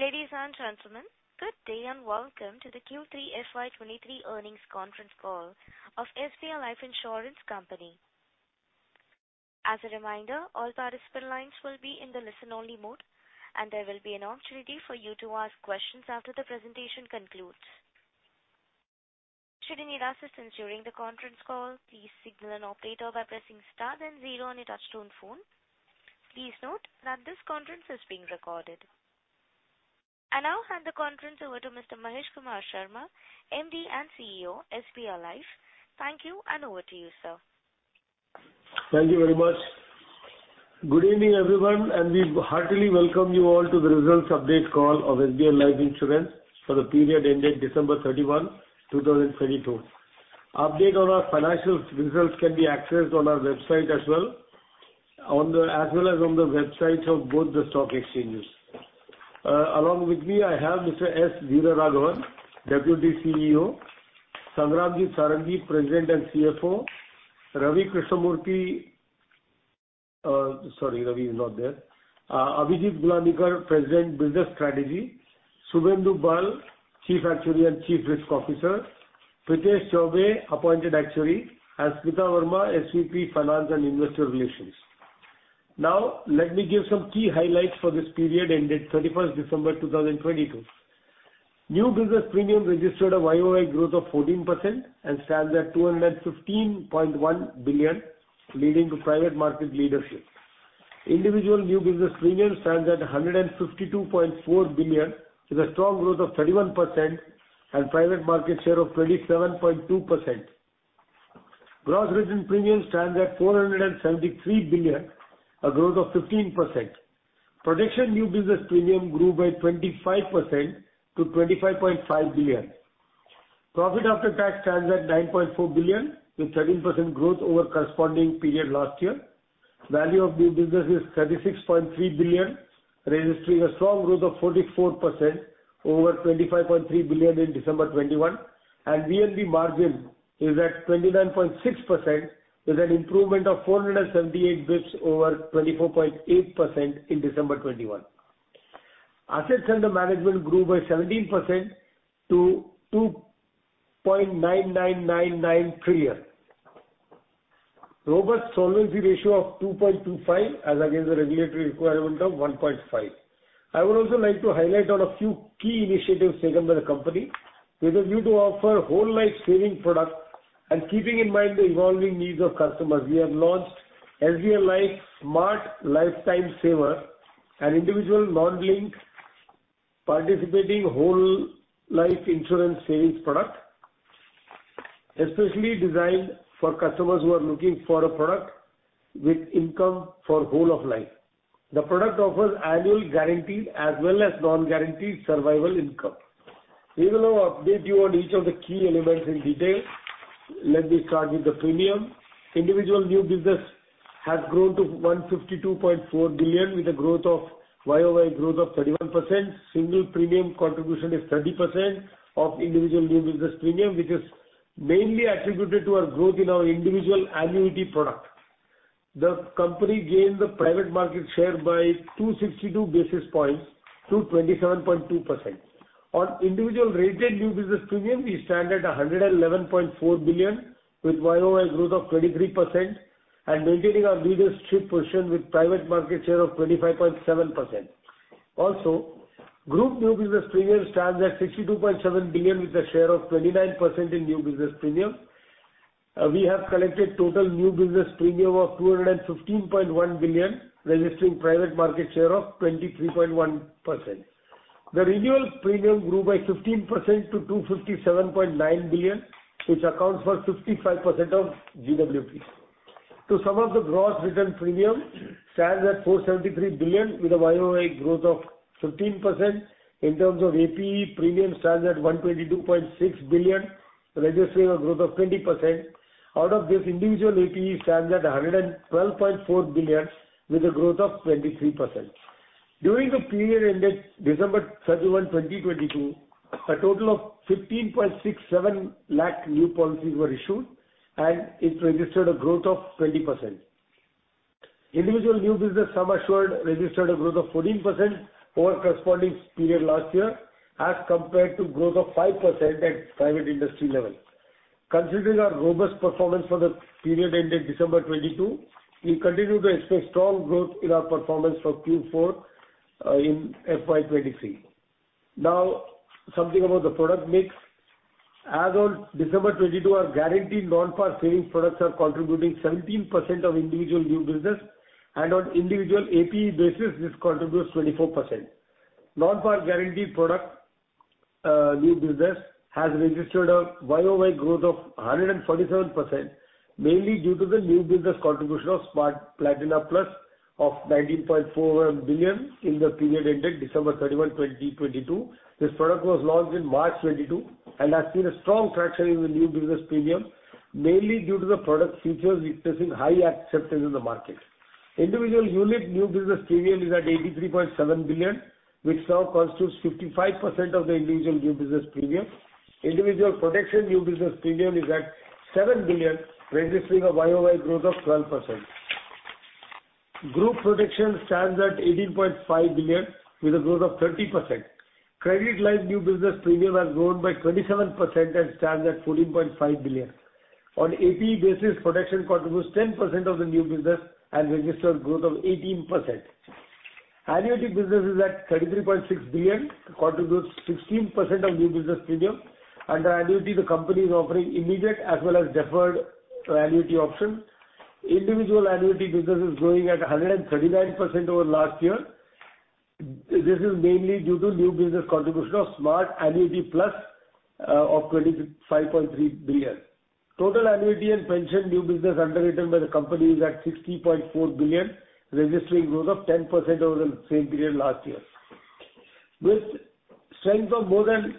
Ladies and gentlemen, good day and welcome to the Q3 FY 2023 earnings conferences call of SBI Life Insurance Company. As a reminder, all participant lines will be in the listen-only mode. There will be an opportunity for you to ask questions after the presentation concludes. Should you need assistance during the conference call, please signal an operator by pressing star then zero on your touchtone phone. Please note that this conference is being recorded. I now hand the conference over to Mr. Mahesh Kumar Sharma, MD and CEO, SBI Life. Thank you. Over to you, sir. Thank you very much. Good evening, everyone, and we heartily welcome you all to the results update call of SBI Life Insurance for the period ending December 31, 2022. Update on our financial results can be accessed on our website as well as on the websites of both the stock exchanges. Along with me, I have Mr. S. Veeraraghavan, Deputy CEO; Sangramjit Sarangi, President and CFO; Ravi Krishnamurthy. Sorry, Ravi is not there. Abhijit Gulanikar, President, Business Strategy; Subhendu Bal, Chief Actuary and Chief Risk Officer; Prithesh Chaubey, Appointed Actuary, and Smita Verma, SVP, Finance and Investor Relations. Now, let me give some key highlights for this period ended 31st December 2022. New business premium registered a YOY growth of 14% and stands at 215.1 billion, leading to private market leadership. Individual new business premium stands at 152.4 billion with a strong growth of 31% and private market share of 27.2%. Gross written premium stands at 473 billion, a growth of 15%. Production new business premium grew by 25% to 25.5 billion. Profit after tax stands at 9.4 billion with 13% growth over corresponding period last year. Value of new business is 36.3 billion, registering a strong growth of 44% over 25.3 billion in December 2021. VNB margin is at 29.6% with an improvement of 478 basis over 24.8% in December 2021. Assets under management grew by 17% to 2.9999 trillion. Robust solvency ratio of 2.25 as against the regulatory requirement of 1.5. I would also like to highlight on a few key initiatives taken by the company. With a view to offer whole life savings product and keeping in mind the evolving needs of customers, we have launched SBI Life - Smart Lifetime Saver, an individual non-linked participating whole life insurance savings product, especially designed for customers who are looking for a product with income for whole of life. The product offers annual guaranteed as well as non-guaranteed survival income. We will now update you on each of the key elements in detail. Let me start with the premium. Individual new business has grown to 152.4 billion with a year-over-year growth of 31%. Single premium contribution is 30% of individual new business premium, which is mainly attributed to our growth in our individual annuity product. The company gained the private market share by 262 basis points to 27.2%. On individual retail new business premium, we stand at 111.4 billion with YOY growth of 23% and maintaining our leadership position with private market share of 25.7%. Also, group new business premium stands at 62.7 billion with a share of 29% in new business premium. We have collected total new business premium of 215.1 billion, registering private market share of 23.1%. The renewal premium grew by 15% to 257.9 billion, which accounts for 55% of GWP. To sum up, the gross written premium stands at 473 billion with a YOY growth of 15%. In terms of APE, premium stands at 122.6 billion, registering a growth of 20%. Out of this individual APE stands at 112.4 billion with a growth of 23%. During the period ended December 31, 2022, a total of 15.67 lakh new policies were issued. It registered a growth of 20%. Individual new business sum assured registered a growth of 14% over corresponding period last year as compared to growth of 5% at private industry level. Considering our robust performance for the period ending December 2022, we continue to expect strong growth in our performance for Q4 in FY 2023. Something about the product mix. As on December 2022, our guaranteed non-par savings products are contributing 17% of individual new business. On individual APE basis, this contributes 24%. Non-par guaranteed product new business has registered a YOY growth of 147%, mainly due to the new business contribution of SBI Life - Smart Platina Plus of 19.4 billion in the period ending December 31, 2022. This product was launched in March 2022 and has seen a strong traction in the new business premium, mainly due to the product features witnessing high acceptance in the market. Individual unit new business premium is at 83.7 billion, which now constitutes 55% of the individual new business premium. Individual protection new business premium is at 7 billion, registering a YOY growth of 12%. Group protection stands at 18.5 billion with a growth of 30%. Credit line new business premium has grown by 27% and stands at 14.5 billion. On APE basis, protection contributes 10% of the new business and registered growth of 18%. Annuity business is at 33.6 billion, contributes 16% of new business premium. Under annuity, the company is offering immediate as well as deferred annuity option. Individual annuity business is growing at 139% over last year. This is mainly due to new business contribution of Smart Annuity Plus of 25.3 billion. Total annuity and pension new business underwritten by the company is at 60.4 billion, registering growth of 10% over the same period last year. With strength of more than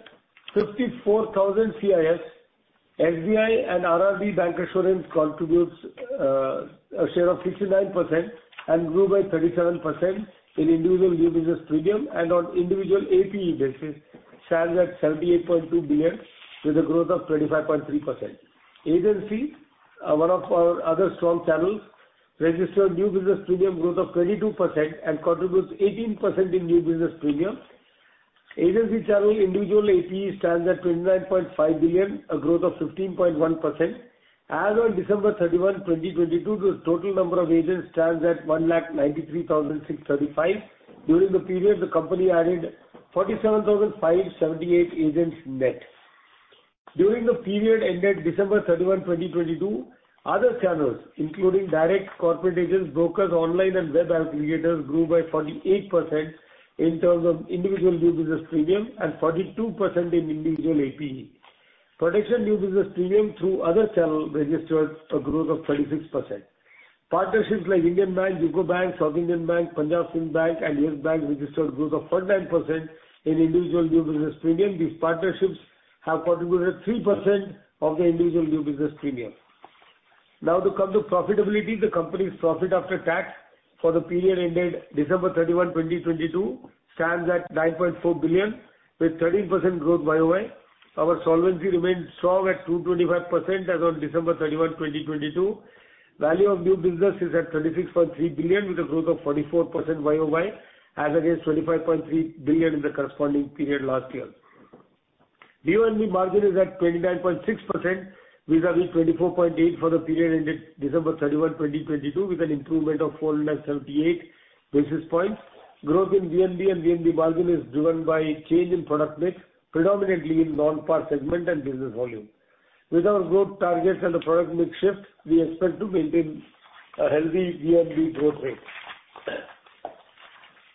54,000 CIS, SBI and RRB Bancassurance contributes a share of 69% and grew by 37% in individual new business premium and on individual APE basis stands at 78.2 billion with a growth of 25.3%. Agency, one of our other strong channels, registered new business premium growth of 22% and contributes 18% in new business premium. Agency channel individual APE stands at 29.5 billion, a growth of 15.1%. As on December 31, 2022, the total number of agents stands at 1.93635 lakh. During the period, the company added 47,578 agents net. During the period ended December 31, 2022, other channels, including direct corporate agents, brokers, online and web aggregators grew by 48% in terms of individual new business premium and 42% in individual APE. Protection new business premium through other channel registered a growth of 26%. Partnerships like Indian Bank, UCO Bank, South Indian Bank, Punjab National Bank and Yes Bank registered growth of 49% in individual new business premium. These partnerships have contributed 3% of the individual new business premium. To come to profitability. The company's profit after tax for the period ended December 31, 2022, stands at 9.4 billion with 13% growth YOY. Our solvency remains strong at 225% as on December 31, 2022. Value of new business is at 26.3 billion, with a growth of 44% YOY as against 25.3 billion in the corresponding period last year. VNB margin is at 29.6% vis-a-vis 24.8% for the period ended December 31, 2022, with an improvement of 478 basis points. Growth in VNB and VNB margin is driven by change in product mix, predominantly in non-par segment and business volume. With our growth targets and the product mix shift, we expect to maintain a healthy VNB growth rate.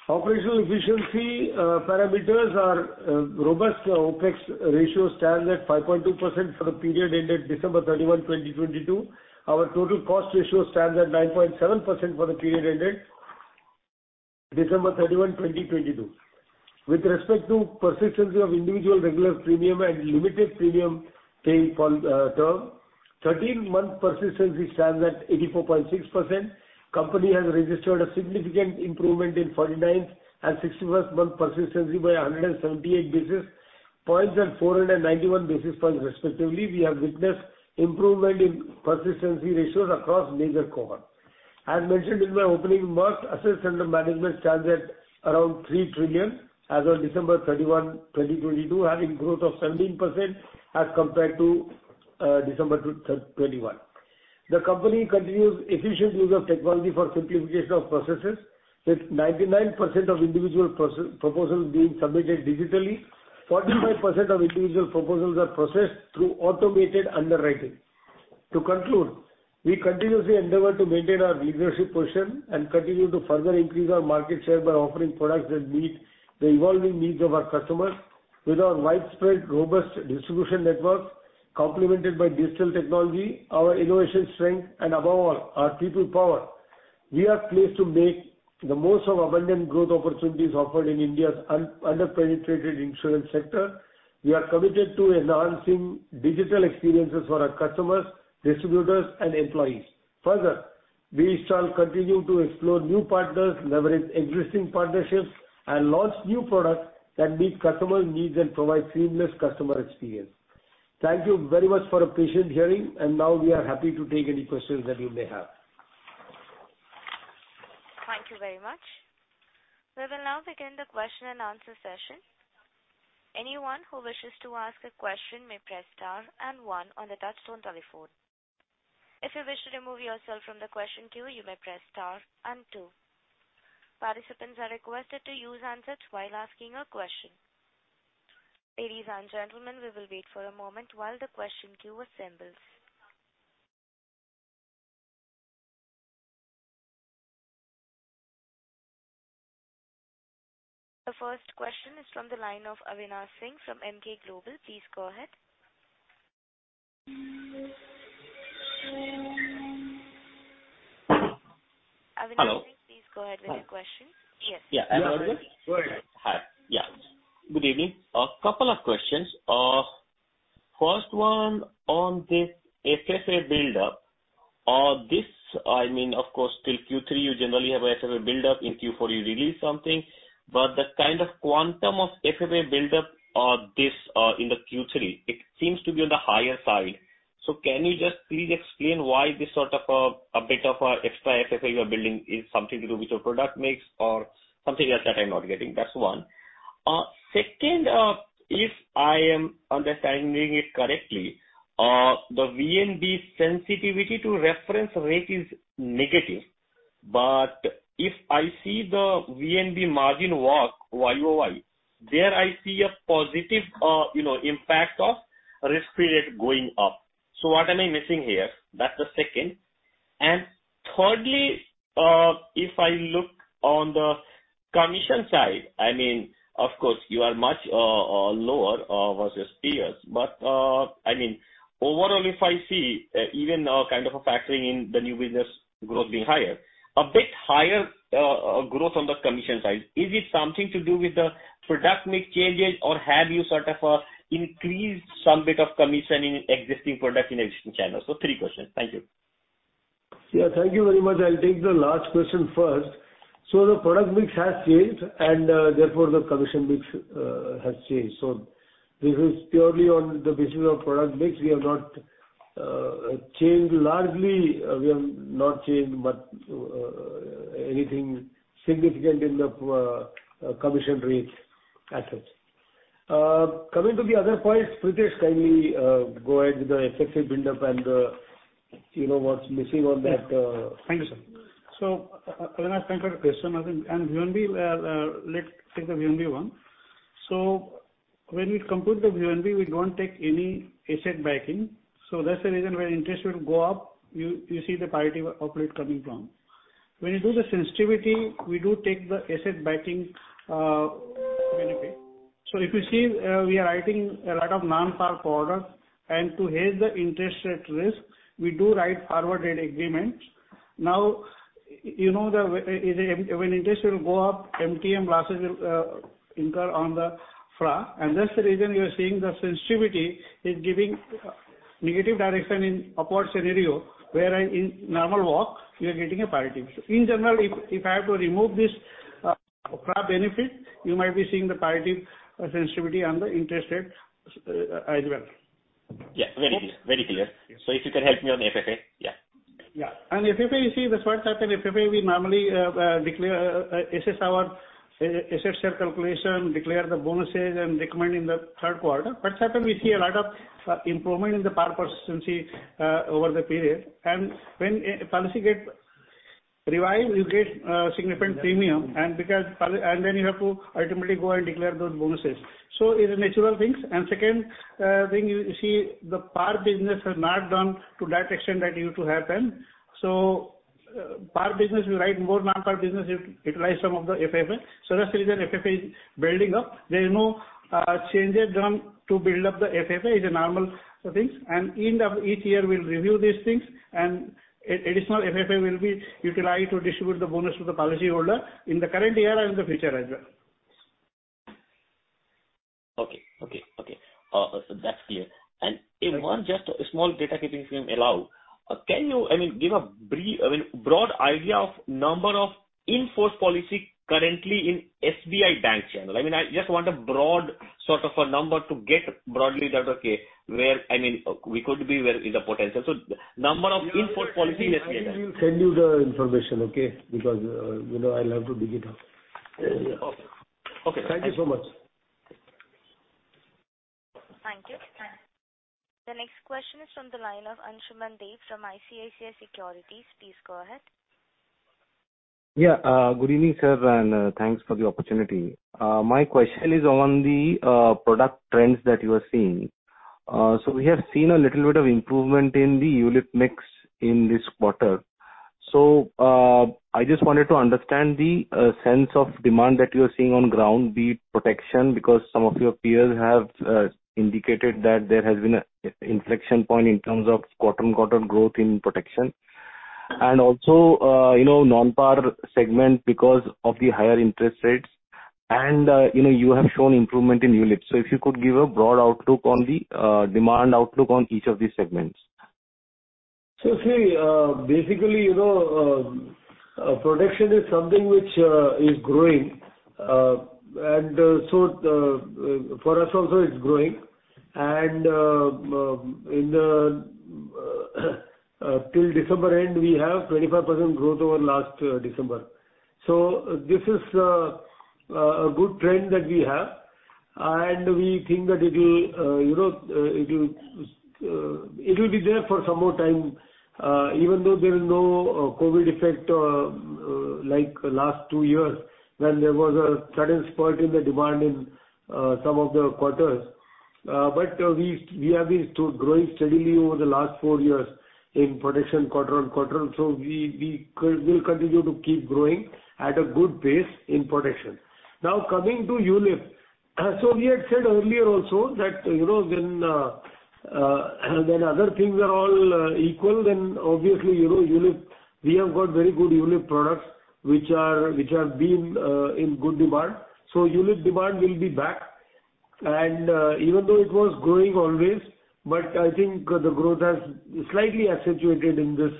Operational efficiency parameters are robust. Our OpEx ratio stands at 5.2% for the period ended December 31, 2022. Our total cost ratio stands at 9.7% for the period ended December 31, 2022. With respect to persistency of individual regular premium and limited premium paying term, 13-month persistency stands at 84.6%. Company has registered a significant improvement in 49 and 61st month persistency by 178 basis points and 491 basis points respectively. We have witnessed improvement in persistency ratios across major cohort. As mentioned in my opening remarks, assets under management stands at around 3 trillion as on December 31, 2022, having growth of 17% as compared to December 2021. The company continues efficient use of technology for simplification of processes, with 99% of individual proposals being submitted digitally. 45% of individual proposals are processed through automated underwriting. To conclude, we continuously endeavor to maintain our leadership position and continue to further increase our market share by offering products that meet the evolving needs of our customers. With our widespread robust distribution network complemented by digital technology, our innovation strength and above all, our people power, we are pleased to make the most of abundant growth opportunities offered in India's under-penetrated insurance sector. We are committed to enhancing digital experiences for our customers, distributors and employees. Further, we shall continue to explore new partners, leverage interesting partnerships, and launch new products that meet customer needs and provide seamless customer experience. Thank you very much for your patient hearing, and now we are happy to take any questions that you may have. Thank you very much. We will now begin the question-and-answer session. Anyone who wishes to ask a question may press star and one on the touchtone telephone. If you wish to remove yourself from the question queue, you may press star and two. Participants are requested to use handsets while asking a question. Ladies and gentlemen, we will wait for a moment while the question queue assembles. The first question is from the line of Avinash Singh from Emkay Global. Please go ahead. Avinash Singh. Please go ahead with your question. Yes. Hi. Yeah. Good evening. A couple of questions. First one on this FFA buildup. This, I mean, of course, till Q3 you generally have FFA build up, in Q4 you release something. The kind of quantum of FFA build-up, this, in the Q3, it seems to be on the higher side. Can you just please explain why this sort of, a bit of, extra FFA you are building is something to do with your product mix or something else that I'm not getting. That's one. Second, if I am understanding it correctly, the VNB sensitivity to reference rate is negative. If I see the VNB margin walk YOY, there I see a positive, you know, impact of risk-free rate going up. What am I missing here? That's the second. Thirdly, if I look on the commission side, I mean, of course, you are much lower versus peers. I mean, overall, if I see, even now kind of a factoring in the new business growth being higher, a bit higher, growth on the commission side, is it something to do with the product mix changes, or have you sort of, increased some bit of commission in existing product in existing channels? Three questions. Thank you. Yeah, thank you very much. I'll take the last question first. The product mix has changed, and, therefore, the commission mix has changed. This is purely on the basis of product mix. We have not changed largely. We have not changed but anything significant in the commission rates at all. Coming to the other points, Prithesh, kindly go ahead with the effective build-up and, you know, what's missing on that. Thank you, sir. When I think of the question, I think, and VNB, let's take the VNB one. When we compute the VNB, we don't take any asset backing. That's the reason when interest will go up, you see the positive update coming from. When you do the sensitivity, we do take the asset backing benefit. If you see, we are writing a lot of non-par products, and to hedge the interest rate risk, we do write forward rate agreements. Now, you know, when interest will go up, MTM losses will incur on the FRA, and that's the reason you are seeing the sensitivity is giving negative direction in upward scenario, wherein in normal walk you are getting a positive. In general, if I have to remove this FRA benefit, you might be seeing the positive sensitivity on the interest rate as well. Yeah. Very clear. If you can help me on the FFA. Yeah. Yeah. FFA, you see this what happened, FFA we normally declare, this is our asset calculation, declare the bonuses and recommend in the third quarter. What's happened, we see a lot of improvement in the par persistency over the period. When a policy get revised, you get significant premium. Because then you have to ultimately go and declare those bonuses. It's natural things. Second thing you see, the par business has not gone to that extent that you two have done. Par business, you write more non-par business, it relies some of the FFA. That's the reason FFA is building up. There is no changes done to build up the FFA. It's a normal things. End of each year, we'll review these things and additional FFA will be utilized to distribute the bonus to the policyholder in the current year and in the future as well. Okay. That's clear. If one just small data keeping frame allow, can you, I mean, give a brief, I mean, broad idea of number of in-force policy currently in SBI Bank channel? I mean, I just want a broad sort of a number to get broadly that, okay, where, I mean, we could be where is the potential. Number of in-force policy in SBI Bank. I will send you the information, okay? You know, I'll have to dig it up. Okay. Thank you so much. Thank you. The next question is from the line of Ansuman Deb from ICICI Securities. Please go ahead. Yeah. Good evening, sir, and thanks for the opportunity. My question is on the product trends that you are seeing. We have seen a little bit of improvement in the ULIP mix in this quarter. I just wanted to understand the sense of demand that you are seeing on ground, the protection because some of your peers have indicated that there has been a inflection point in terms of quarter-on-quarter growth in protection. Also, you know, non-par segment because of the higher interest rates and, you know, you have shown improvement in ULIP. If you could give a broad outlook on the demand outlook on each of these segments. See, basically, you know, protection is something which is growing. The for us also it's growing. In the till December end, we have 25% growth over last December. This is a good trend that we have. We think that it will, you know, it will, it will be there for some more time, even though there is no COVID effect, like last two years when there was a sudden spurt in the demand in some of the quarters. We, we have been still growing steadily over the last four years in protection quarter-on-quarter. We will continue to keep growing at a good pace in protection. Now coming to ULIP. We had said earlier also that, you know, when other things are all equal, then obviously, you know, ULIP, we have got very good ULIP products which are, which have been in good demand. ULIP demand will be back. Even though it was growing always, but I think the growth has slightly accentuated in this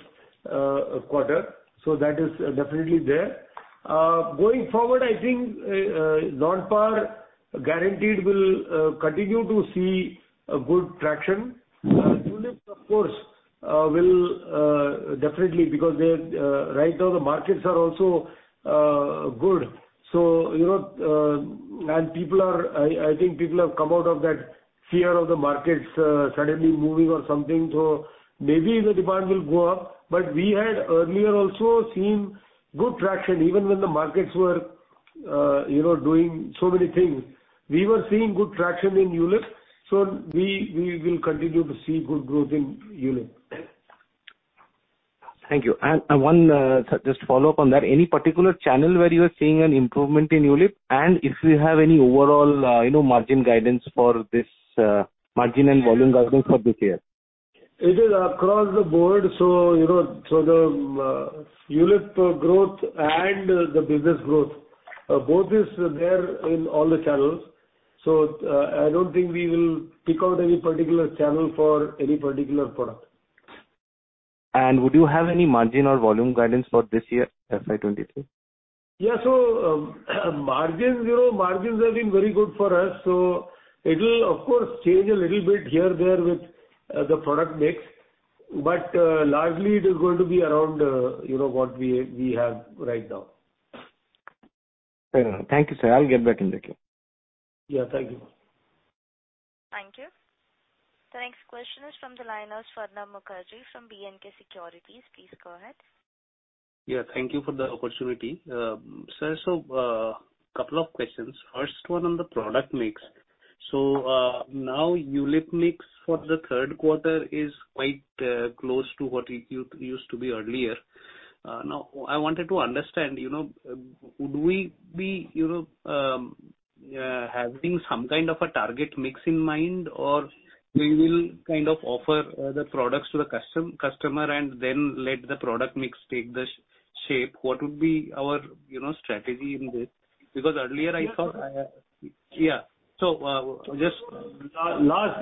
quarter. That is definitely there. Going forward, I think non-par guaranteed will continue to see a good traction. ULIPs of course, will definitely because they right now the markets are also good. you know, and I think people have come out of that fear of the markets, suddenly moving or something. Maybe the demand will go up. We had earlier also seen good traction even when the markets were, you know, doing so many things. We were seeing good traction in ULIP. We will continue to see good growth in ULIP. Thank you. One, just to follow up on that. Any particular channel where you are seeing an improvement in ULIP and if you have any overall, you know, margin guidance for this, margin and volume guidance for this year? It is across the board. you know, the ULIP growth and the business growth, both is there in all the channels. I don't think we will pick out any particular channel for any particular product. Would you have any margin or volume guidance for this year, FY 2023? Yeah. You know, margins have been very good for us, so it'll of course change a little bit here, there with the product mix. largely it is going to be around, you know, what we have right now. Fair enough. Thank you, sir. I'll get back in the queue. Yeah. Thank you. Thank you. The next question is from the line of Swarnabha Mukherjee from B&K Securities. Please go ahead. Thank you for the opportunity. Sir, couple of questions. First one on the product mix. Now ULIP mix for the third quarter is quite close to what it used to be earlier. Now I wanted to understand, you know, would we be, you know, having some kind of a target mix in mind, or we will kind of offer the products to the customer and then let the product mix take the shape? What would be our, you know, strategy in this? Last,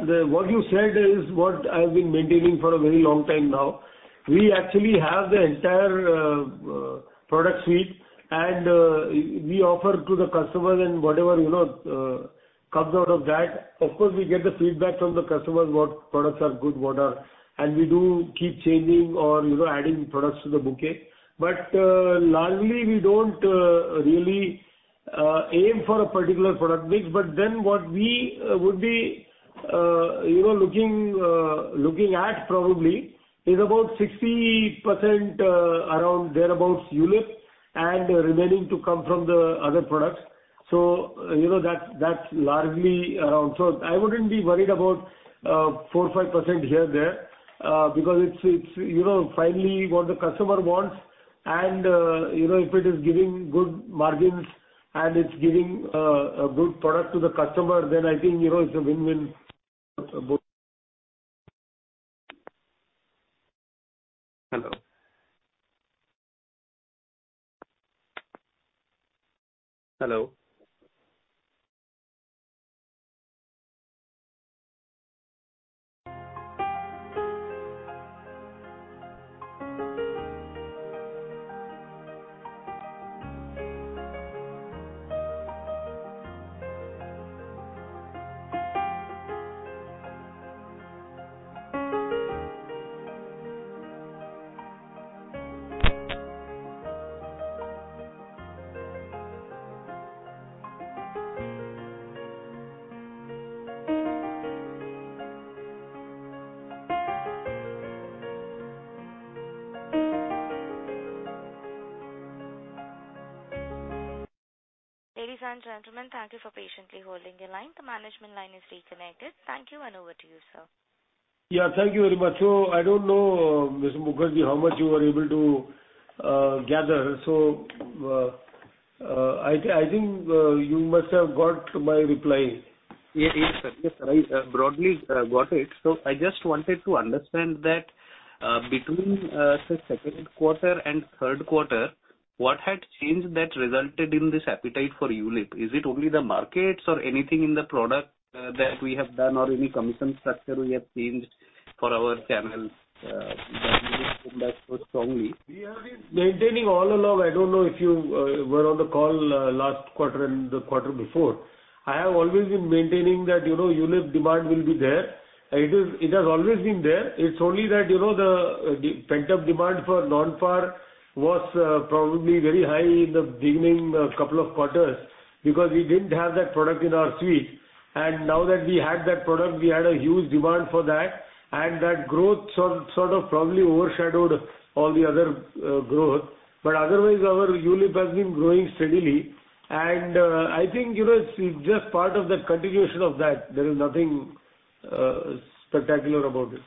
what you said is what I've been maintaining for a very long time now. We actually have the entire product suite and we offer to the customers and whatever, you know, comes out of that. Of course, we get the feedback from the customers what products are good, what are, and we do keep changing or, you know, adding products to the bouquet. But largely we don't really aim for a particular product mix. But then what we would be, you know, looking at probably is about 60% around thereabouts ULIP and remaining to come from the other products. You know, that's largely around. I wouldn't be worried about 4%, 5% here, there, because it's, you know, finally what the customer wants and, you know, if it is giving good margins and it's giving a good product to the customer, then I think, you know, it's a win-win, both. Hello? Hello? Ladies and gentlemen, thank you for patiently holding your line. The management line is reconnected. Thank you and over to you, sir. Yeah, thank you very much. I don't know, Mr. Mukherjee, how much you were able to gather. I think you must have got my reply. Yeah. Yes, sir. Yes, I broadly got it. I just wanted to understand that between say second quarter and third quarter, what had changed that resulted in this appetite for ULIP? Is it only the markets or anything in the product that we have done or any commission structure we have changed for our channels that made it come back so strongly? We have been maintaining all along. I don't know if you were on the call last quarter and the quarter before. I have always been maintaining that, you know, ULIP demand will be there. It has always been there. It's only that, you know, the pent-up demand for non-par was probably very high in the beginning couple of quarters because we didn't have that product in our suite. Now that we had that product, we had a huge demand for that, and that growth sort of probably overshadowed all the other growth. Otherwise our ULIP has been growing steadily. I think, you know, it's just part of the continuation of that. There is nothing spectacular about it.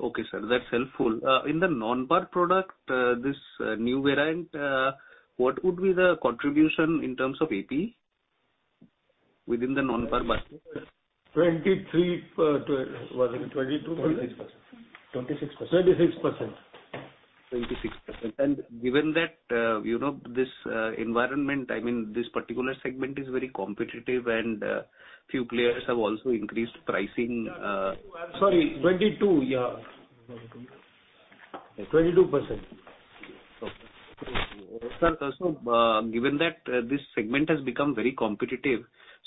Okay, sir. That's helpful. in the non-par product, this new variant, what would be the contribution in terms of APE within the non-par basket? 26%. 26%. Given that, you know, this, environment, I mean, this particular segment is very competitive and, few players have also increased pricing. Sorry, 22%. Yeah. 22%. Okay. Sir, given that this segment has become very competitive,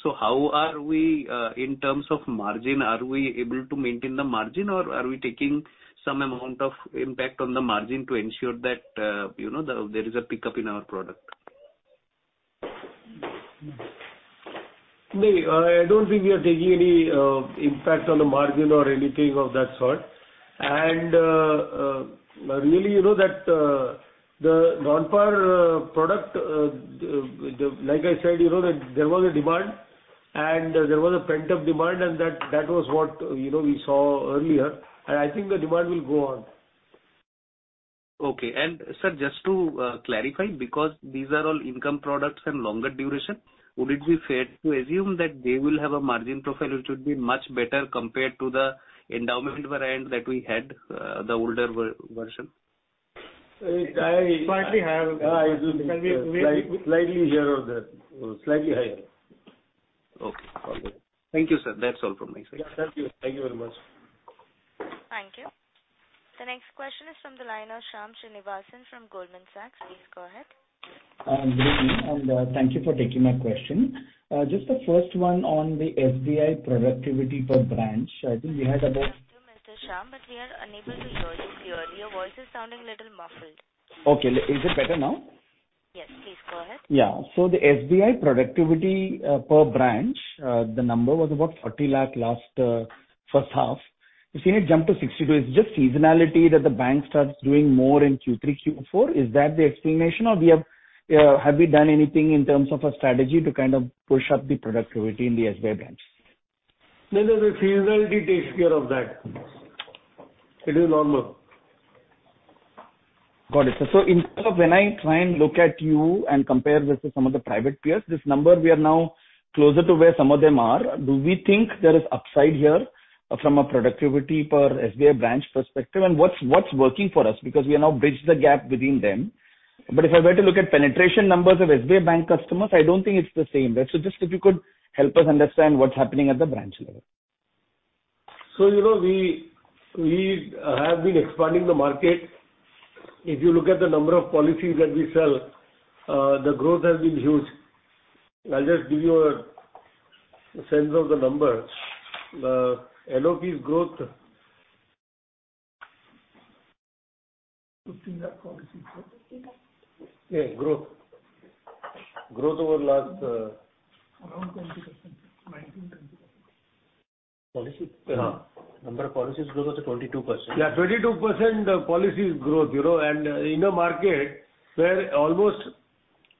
so how are we in terms of margin, are we able to maintain the margin or are we taking some amount of impact on the margin to ensure that, you know, there is a pickup in our product? No, I don't think we are taking any impact on the margin or anything of that sort. Really, you know, that the non-par product, like I said, you know, that there was a demand and there was a pent-up demand and that was what, you know, we saw earlier. I think the demand will go on. Okay. Sir, just to clarify, because these are all income products and longer duration, would it be fair to assume that they will have a margin profile which would be much better compared to the endowment variant that we had, the older version? Slightly higher. Slightly here or there. Slightly higher. Okay. Got it. Thank you, sir. That's all from my side. Yeah, thank you. Thank you very much. Thank you. The next question is from the line of Shyam Srinivasan from Goldman Sachs. Please go ahead. Good evening, and thank you for taking my question. Just the first one on the SBI productivity per branch. Thank you, Mr. Shyam, but we are unable to hear you clearly. Your voice is sounding a little muffled. Okay. Is it better now? Yes, please go ahead. Yeah. The SBI productivity per branch, the number was about 40 lakh last first half. We've seen it jump to 62 lakh. Is it just seasonality that the bank starts doing more in Q3, Q4? Is that the explanation or have we done anything in terms of a strategy to kind of push up the productivity in the SBI banks? No, no. The seasonality takes care of that. It will all look. Got it. Instead of when I try and look at you and compare with some of the private peers, this number we are now closer to where some of them are. Do we think there is upside here from a productivity per SBI branch perspective? What's working for us? We are now bridged the gap within them. If I were to look at penetration numbers of SBI bank customers, I don't think it's the same. Just if you could help us understand what's happening at the branch level. You know, we have been expanding the market. If you look at the number of policies that we sell, the growth has been huge. I'll just give you a sense of the number. The NOPs growth. Growth in our policies, sir. Yeah, growth over last. Around 20%. 19%, 20%. Policy? Yeah. Number of policies growth was 22%. Yeah, 22% policies growth, you know, in a market where almost,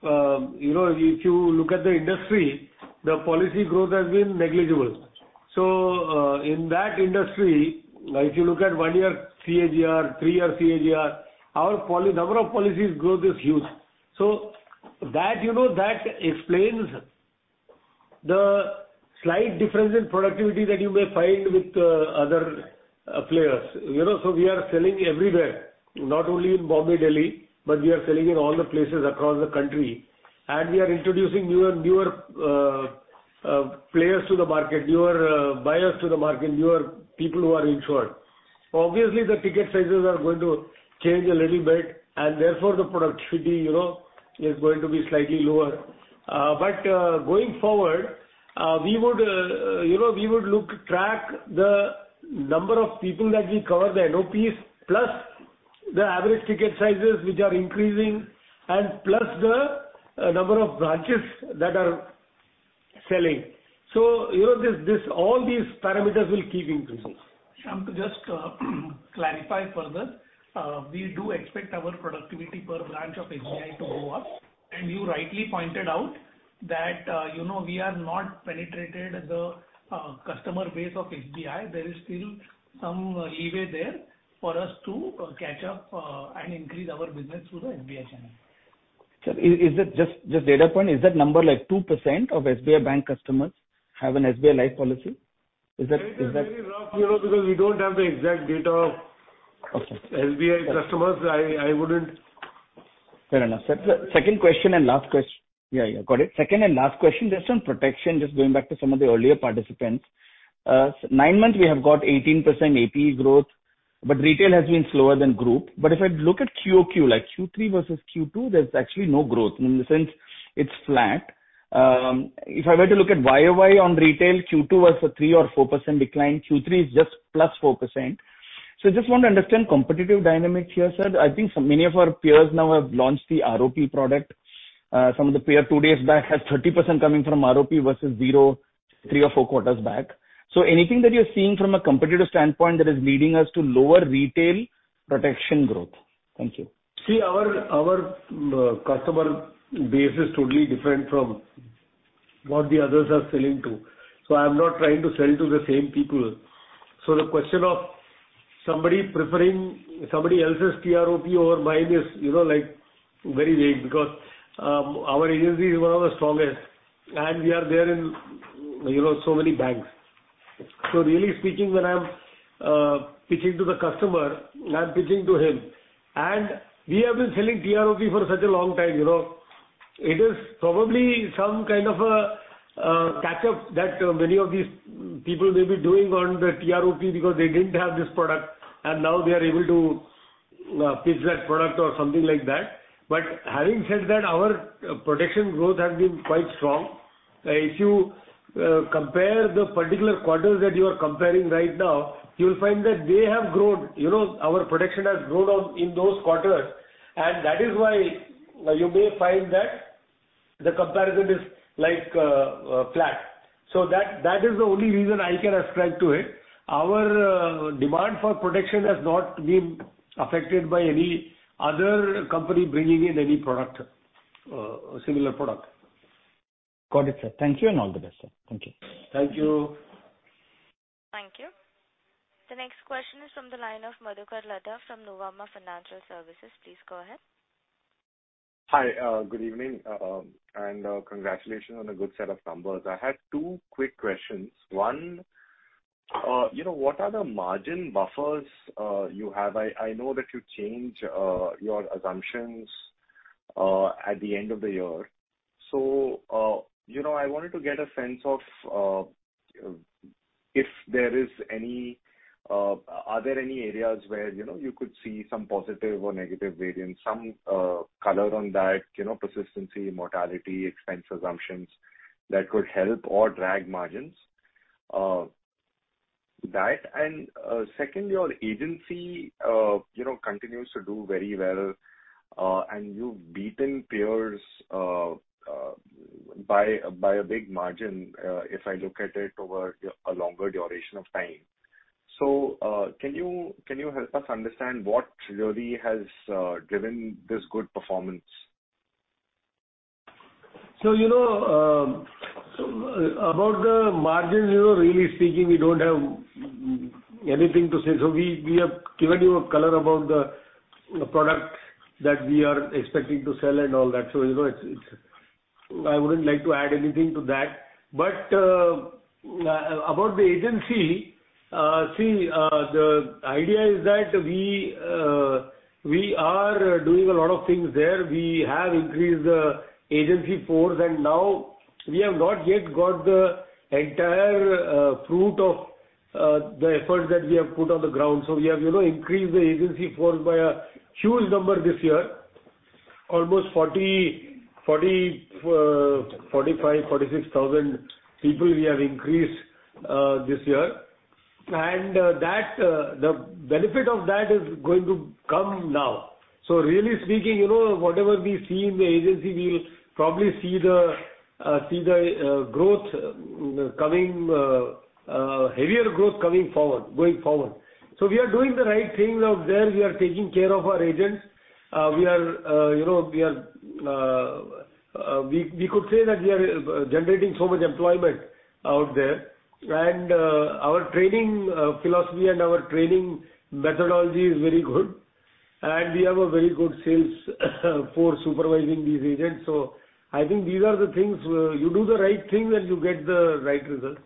you know, if you look at the industry, the policy growth has been negligible. In that industry, if you look at one year CAGR, three-year CAGR, our number of policies growth is huge. That, you know, explains the slight difference in productivity that you may find with other players. You know, we are selling everywhere, not only in Bombay, Delhi, but we are selling in all the places across the country and we are introducing newer, players to the market, newer buyers to the market, newer people who are insured. The ticket sizes are going to change a little bit and therefore the productivity, you know, is going to be slightly lower. Going forward, we would, you know, we would look to track the number of people that we cover the NOPs plus the average ticket sizes which are increasing and plus the number of branches that are selling. You know, all these parameters will keep increasing. Shyam, to just clarify further, we do expect our productivity per branch of SBI to go up. You rightly pointed out that, you know, we have not penetrated the customer base of SBI. There is still some leeway there for us to catch up, and increase our business through the SBI channel. Sir, is it just data point, is that number like 2% of SBI customers have an SBI Life policy? Is that? It is very rough, you know, because we don't have the exact data. SBI customers. I wouldn't... Fair enough. Got it. Second and last question, just on protection, just going back to some of the earlier participants. Nine months we have got 18% APE growth, retail has been slower than group. If I look at QOQ, like Q3 versus Q2, there's actually no growth. In the sense it's flat. If I were to look at YOY on retail, Q2 was a 3% or 4% decline. Q3 is just +4%. I just want to understand competitive dynamics here, sir. I think so many of our peers now have launched the ROP product. Some of the peer 2 days back has 30% coming from ROP versus zero, three or four quarters back. Anything that you're seeing from a competitive standpoint that is leading us to lower retail protection growth? Thank you. See, our customer base is totally different from what the others are selling to. I'm not trying to sell to the same people. The question of Somebody preferring somebody else's TROP over mine is, you know, like very vague because our agency is one of the strongest and we are there in, you know, so many banks. Really speaking when I'm pitching to the customer, I'm pitching to him and we have been selling TROP for such a long time, you know. It is probably some kind of a catch-up that many of these people may be doing on the TROP because they didn't have this product and now they are able to pitch that product or something like that. Having said that, our protection growth has been quite strong. If you compare the particular quarters that you are comparing right now, you'll find that they have grown. You know, our protection has grown on in those quarters and that is why you may find that the comparison is like flat. That is the only reason I can ascribe to it. Our demand for protection has not been affected by any other company bringing in any product, similar product. Got it, sir. Thank you and all the best, sir. Thank you. Thank you. Thank you. The next question is from the line of Madhukar Ladha from Nuvama Financial Services. Please go ahead. Hi. Good evening. And congratulations on a good set of numbers. I had two quick questions. One, you know, what are the margin buffers you have? I know that you change your assumptions at the end of the year. You know, I wanted to get a sense of, are there any areas where, you know, you could see some positive or negative variance, some color on that, you know, persistency, mortality, expense assumptions that could help or drag margins? That and, secondly, your agency, you know, continues to do very well, and you've beaten peers by a big margin, if I look at it over a longer duration of time. Can you help us understand what really has driven this good performance? You know, about the margins, you know, really speaking we don't have anything to say. We have given you a color about the product that we are expecting to sell and all that, you know, it's I wouldn't like to add anything to that. About the agency, see, the idea is that we are doing a lot of things there. We have increased the agency force and now we have not yet got the entire fruit of the effort that we have put on the ground. We have, you know, increased the agency force by a huge number this year. Almost 45,000-46,000 people we have increased this year. that the benefit of that is going to come now. Really speaking, you know, whatever we see in the agency we'll probably see the growth going forward. We are doing the right things out there. We are taking care of our agents. We could say that we are generating so much employment out there. Our training philosophy and our training methodology is very good. We have a very good sales force supervising these agents. I think these are the things where you do the right thing and you get the right results.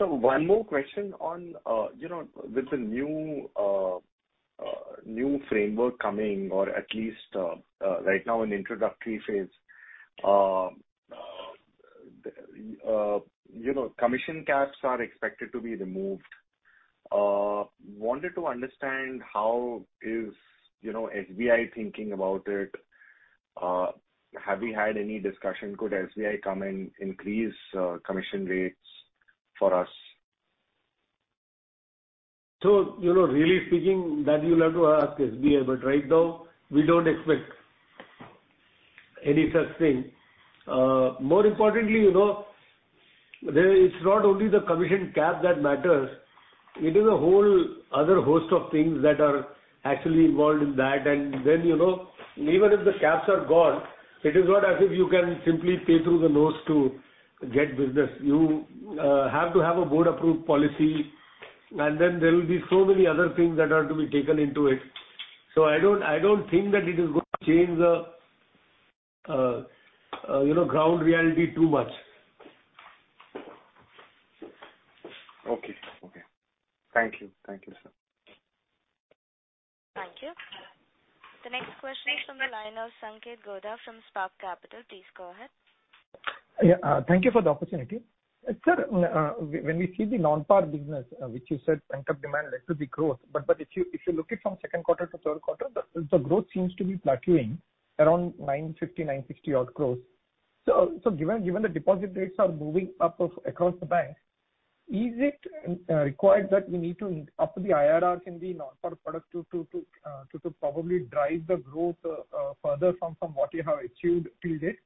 One more question on, you know, with the new new framework coming or at least right now in introductory phase, you know, commission caps are expected to be removed. Wanted to understand how is, you know, SBI thinking about it? Have we had any discussion? Could SBI come and increase commission rates for us? You know, really speaking that you'll have to ask SBI, but right now we don't expect any such thing. More importantly, you know, there it's not only the commission cap that matters. It is a whole other host of things that are actually involved in that. you know, even if the caps are gone, it is not as if you can simply pay through the nose to get business. You have to have a board-approved policy, and then there will be so many other things that are to be taken into it. I don't think that it is going to change the, you know, ground reality too much. Okay. Okay. Thank you. Thank you, sir. Thank you. The next question is from the line of Sanketh Godha from Spark Capital. Please go ahead. Yeah. Thank you for the opportunity. Sir, when we see the non-par business, which you said pent-up demand led to the growth, but if you look it from second quarter to third quarter, the growth seems to be fluctuating around 950, 960 odd growth. Given the deposit rates are moving up across the bank, is it required that we need to up the IRR in the non-par product to probably drive the growth further from what you have achieved till date?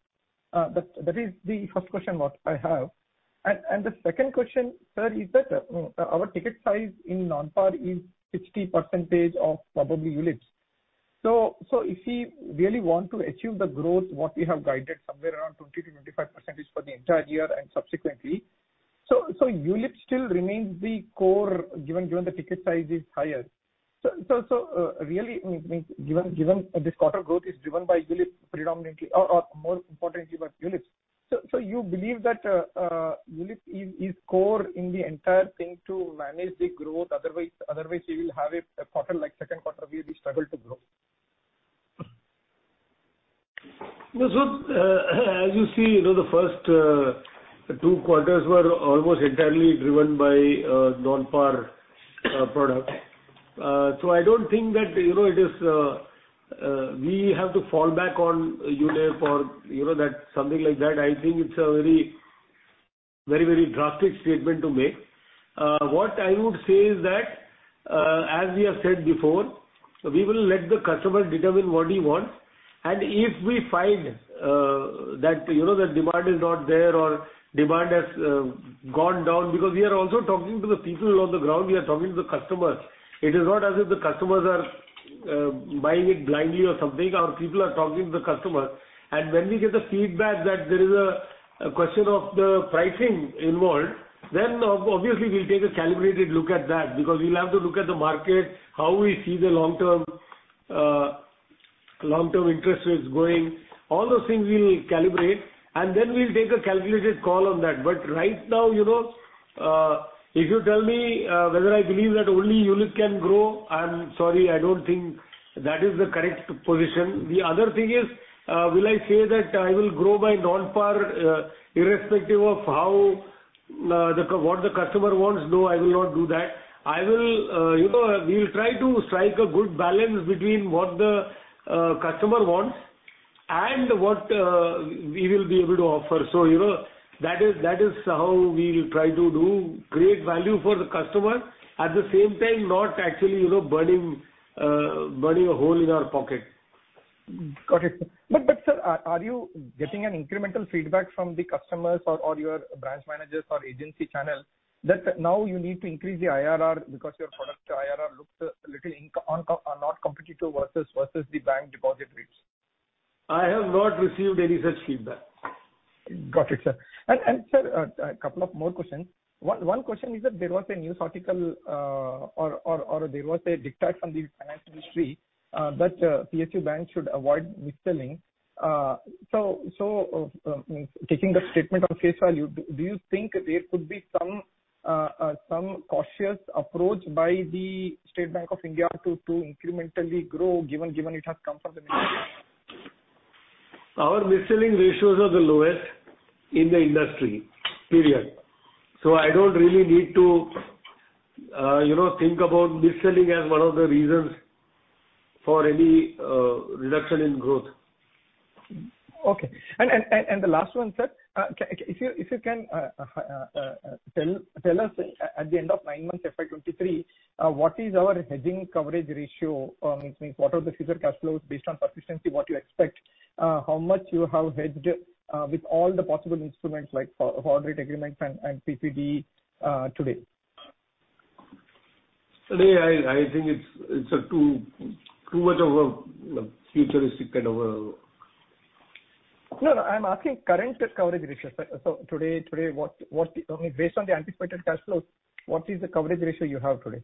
That is the first question what I have. The second question, sir, is that our ticket size in non-par is 60% of probably ULIPs. If we really want to achieve the growth what we have guided somewhere around 20%-25% is for the entire year and subsequently. ULIP still remains the core, given the ticket size is higher. Really, I mean, given this quarter growth is driven by ULIP predominantly or more importantly by ULIPs. You believe that, ULIP is core in the entire thing to manage the growth, otherwise you will have a quarter like second quarter where we struggle to grow. No. As you see, you know, the first two quarters were almost entirely driven by non-par product. I don't think that, you know, it is we have to fall back on ULIP or, you know, that something like that. I think it's a very, very, very drastic statement to make. What I would say is that as we have said before, we will let the customer determine what he wants. If we find that, you know, the demand is not there or demand has gone down because we are also talking to the people on the ground, we are talking to the customers. It is not as if the customers are buying it blindly or something. Our people are talking to the customers. When we get the feedback that there is a question of the pricing involved, then obviously we'll take a calibrated look at that because we'll have to look at the market, how we see the long-term interest rates going. All those things we'll calibrate, and then we'll take a calculated call on that. Right now, you know, if you tell me whether I believe that only ULIP can grow, I'm sorry, I don't think that is the correct position. The other thing is, will I say that I will grow by non-par irrespective of how what the customer wants? No, I will not do that. I will, you know, we'll try to strike a good balance between what the customer wants and what we will be able to offer. You know, that is how we'll try to do great value for the customer. At the same time, not actually, you know, burning a hole in our pocket. Got it. but sir, are you getting an incremental feedback from the customers or your branch managers or agency channel that now you need to increase the IRR because your product IRR looks a little on, are not competitive versus the bank deposit rates? I have not received any such feedback. Got it, sir. Sir, a couple of more questions. One question is that there was a news article, or there was a diktat from the finance ministry, that PSU banks should avoid mis-selling. So, taking the statement on face value, do you think there could be some cautious approach by the State Bank of India to incrementally grow, given it has come from the media? Our mis-selling ratios are the lowest in the industry. Period. I don't really need to, you know, think about mis-selling as one of the reasons for any reduction in growth. Okay. The last one, sir. If you can tell us at the end of nine months FY 2023, what is our hedging coverage ratio? Means what are the future cash flows based on sufficiency, what you expect, how much you have hedged with all the possible instruments like forward rate agreements and CCP today? Today, I think it's a too much of a, you know, futuristic. No. I'm asking current coverage ratio, sir. Today, I mean, based on the anticipated cash flows, what is the coverage ratio you have today?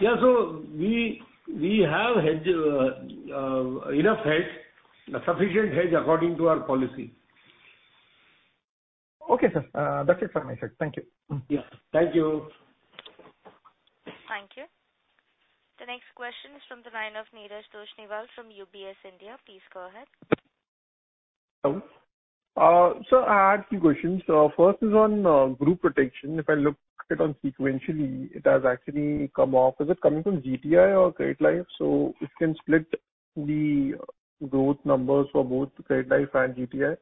Yeah. We have enough hedge, sufficient hedge according to our policy. Okay, sir. That's it from my side. Thank you. Yes. Thank you. Thank you. The next question is from the line of Neeraj Toshniwal from UBS India. Please go ahead. Hello. sir, I had few questions. First is on, group protection. If I look at it on sequentially, it has actually come off. Is it coming from GTI or Credit Life? If you can split the growth numbers for both Credit Life and GTI.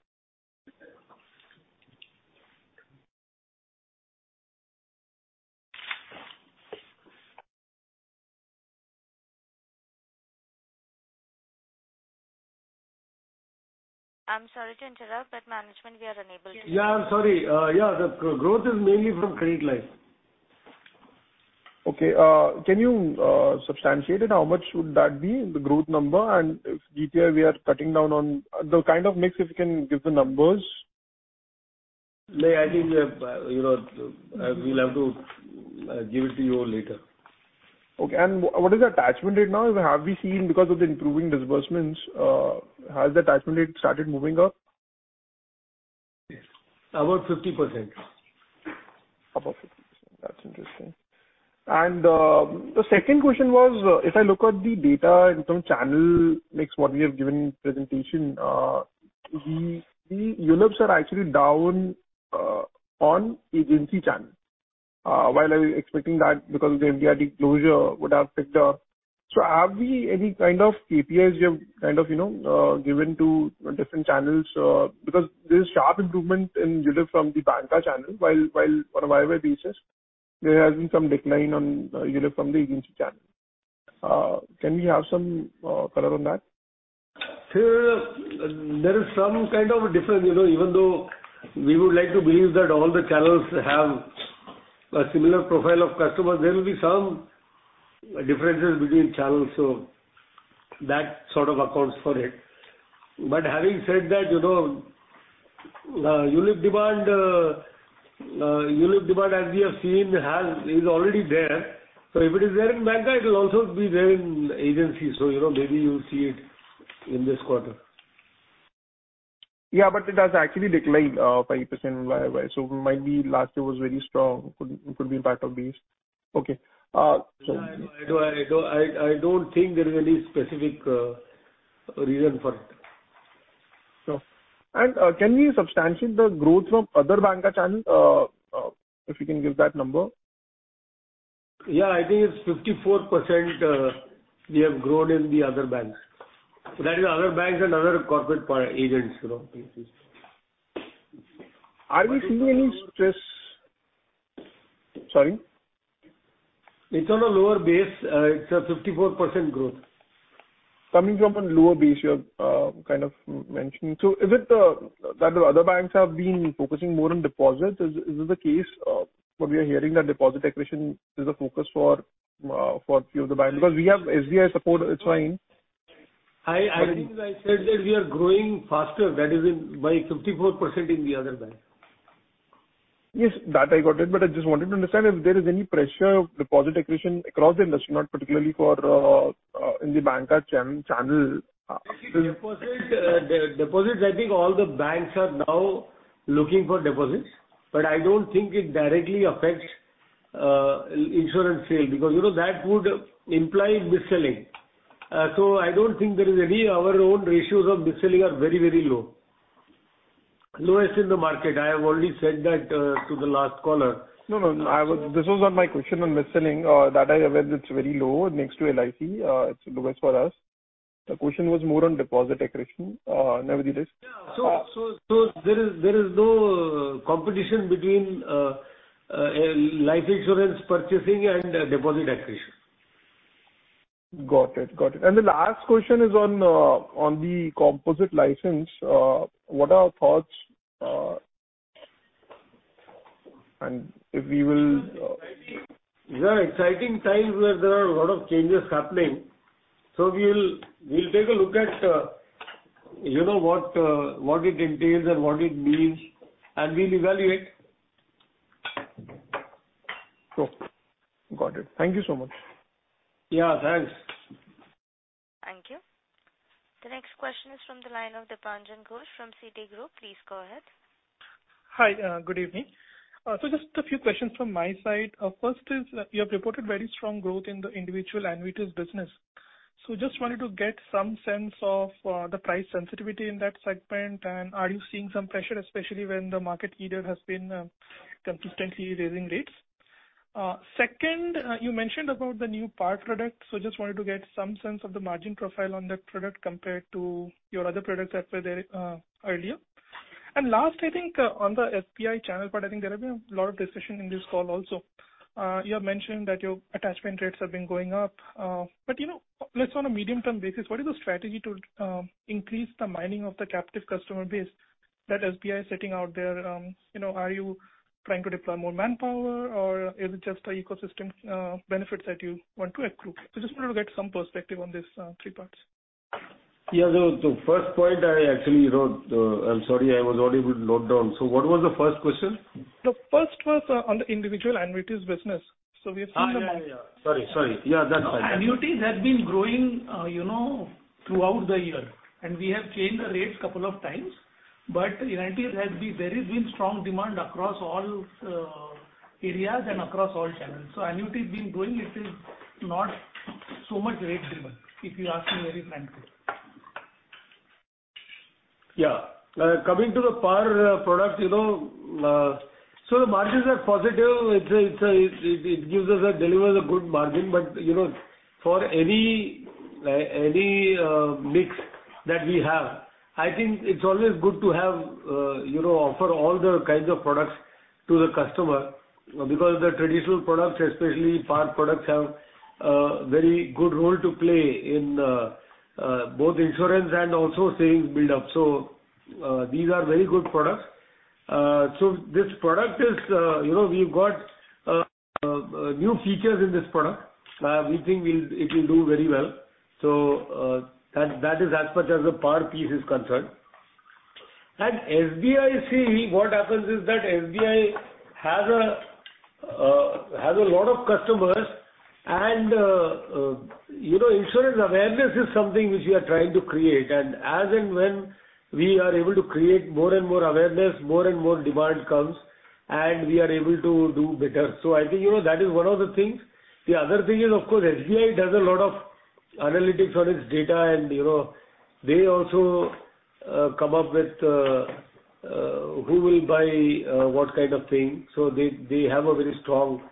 I'm sorry to interrupt, but management we are unable to hear. Yeah. I'm sorry. Yeah, the growth is mainly from Credit Life. Okay. Can you substantiate it? How much should that be, the growth number? If GTI we are cutting down on, the kind of mix, if you can give the numbers? Like, I think we have, you know, we'll have to give it to you later. Okay. What is the attachment rate now? Have we seen because of the improving disbursements, has the attachment rate started moving up? About 50%. About 50%. That's interesting. The second question was, if I look at the data in terms of channel mix, what we have given in presentation, the ULIPs are actually down on agency channel. While are we expecting that because of the NBDC closure would have picked up. Have we any kind of KPIs we have kind of, you know, given to different channels? Because there's sharp improvement in ULIP from the banca channel, while on a year-over-year basis, there has been some decline on ULIP from the agency channel. Can we have some color on that? Sir, there is some kind of a difference. You know, even though we would like to believe that all the channels have a similar profile of customers, there will be some differences between channels. That sort of accounts for it. Having said that, you know, ULIP demand, ULIP demand as we have seen is already there. If it is there in bank, it will also be there in agency. You know, maybe you'll see it in this quarter. It has actually declined, 5% year-over-year. Might be last year was very strong. Could be part of this. Okay. I don't think there is any specific reason for it. Sure. Can we substantiate the growth from other banker channels? If you can give that number. Yeah, I think it's 54%, we have grown in the other banks. That is other banks and other corporate agents, you know. Are we seeing any stress? Sorry. It's on a lower base. It's a 54% growth. Coming from a lower base, you're kind of mentioning. Is it that the other banks have been focusing more on deposits? Is this the case? What we are hearing that deposit acquisition is a focus for few of the banks. We have SBI support, it's fine. I think I said that we are growing faster, that is in by 54% in the other bank. Yes, that I got it, but I just wanted to understand if there is any pressure of deposit acquisition across the industry, not particularly for in the banker channel. Deposits, deposits, I think all the banks are now looking for deposits, I don't think it directly affects insurance sale because, you know, that would imply mis-selling. I don't think there is any. Our own ratios of mis-selling are very, very low. Lowest in the market. I have already said that to the last caller. No, no, This was not my question on mis-selling. That I aware that it's very low next to LIC, it's lowest for us. The question was more on deposit acquisition. Nevertheless. Yeah. There is no competition between life insurance purchasing and deposit acquisition. Got it. Got it. The last question is on the composite license. What are our thoughts? These are exciting times where there are a lot of changes happening. We'll take a look at, you know, what it entails and what it means, and we'll evaluate. Sure. Got it. Thank you so much. Yeah, thanks. Thank you. The next question is from the line of Dipanjan Ghosh from Citigroup. Please go ahead. Hi. Good evening. Just a few questions from my side. First is you have reported very strong growth in the individual annuities business. Just wanted to get some sense of the price sensitivity in that segment. Are you seeing some pressure, especially when the market leader has been consistently raising rates? Second, you mentioned about the new par product. Just wanted to get some sense of the margin profile on that product compared to your other products that were there earlier. Last, I think, on the SBI channel part, I think there have been a lot of discussion in this call also. You have mentioned that your attachment rates have been going up. You know, at least on a medium-term basis, what is the strategy to increase the mining of the captive customer base that SBI is setting out there? You know, are you trying to deploy more manpower or is it just the ecosystem benefits that you want to accrue? Just wanted to get some perspective on these three parts. Yeah. The first point I actually wrote. I'm sorry I was already with note down. What was the first question? The first was on the individual annuities business. Yeah. Sorry. Yeah, that's right. No, annuities have been growing, you know, throughout the year and we have changed the rates couple of times. In IT, there has been strong demand across all areas and across all channels. Annuity has been growing. It is not so much rate driven, if you ask me very frankly. Coming to the par product, you know, so the margins are positive. It's a, it gives us a, delivers a good margin. You know, for any mix that we have, I think it's always good to have, you know, offer all the kinds of products to the customer because the traditional products, especially par products, have a very good role to play in both insurance and also savings build up. These are very good products. This product is, you know, we've got new features in this product. We think it will do very well. That, that is as much as the par piece is concerned. SBI, see what happens is that SBI has a lot of customers and, you know, insurance awareness is something which we are trying to create. As and when we are able to create more and more awareness, more and more demand comes and we are able to do better. I think, you know, that is one of the things. The other thing is of course SBI does a lot of analytics on its data and you know they also come up with who will buy what kind of thing. They have a very strong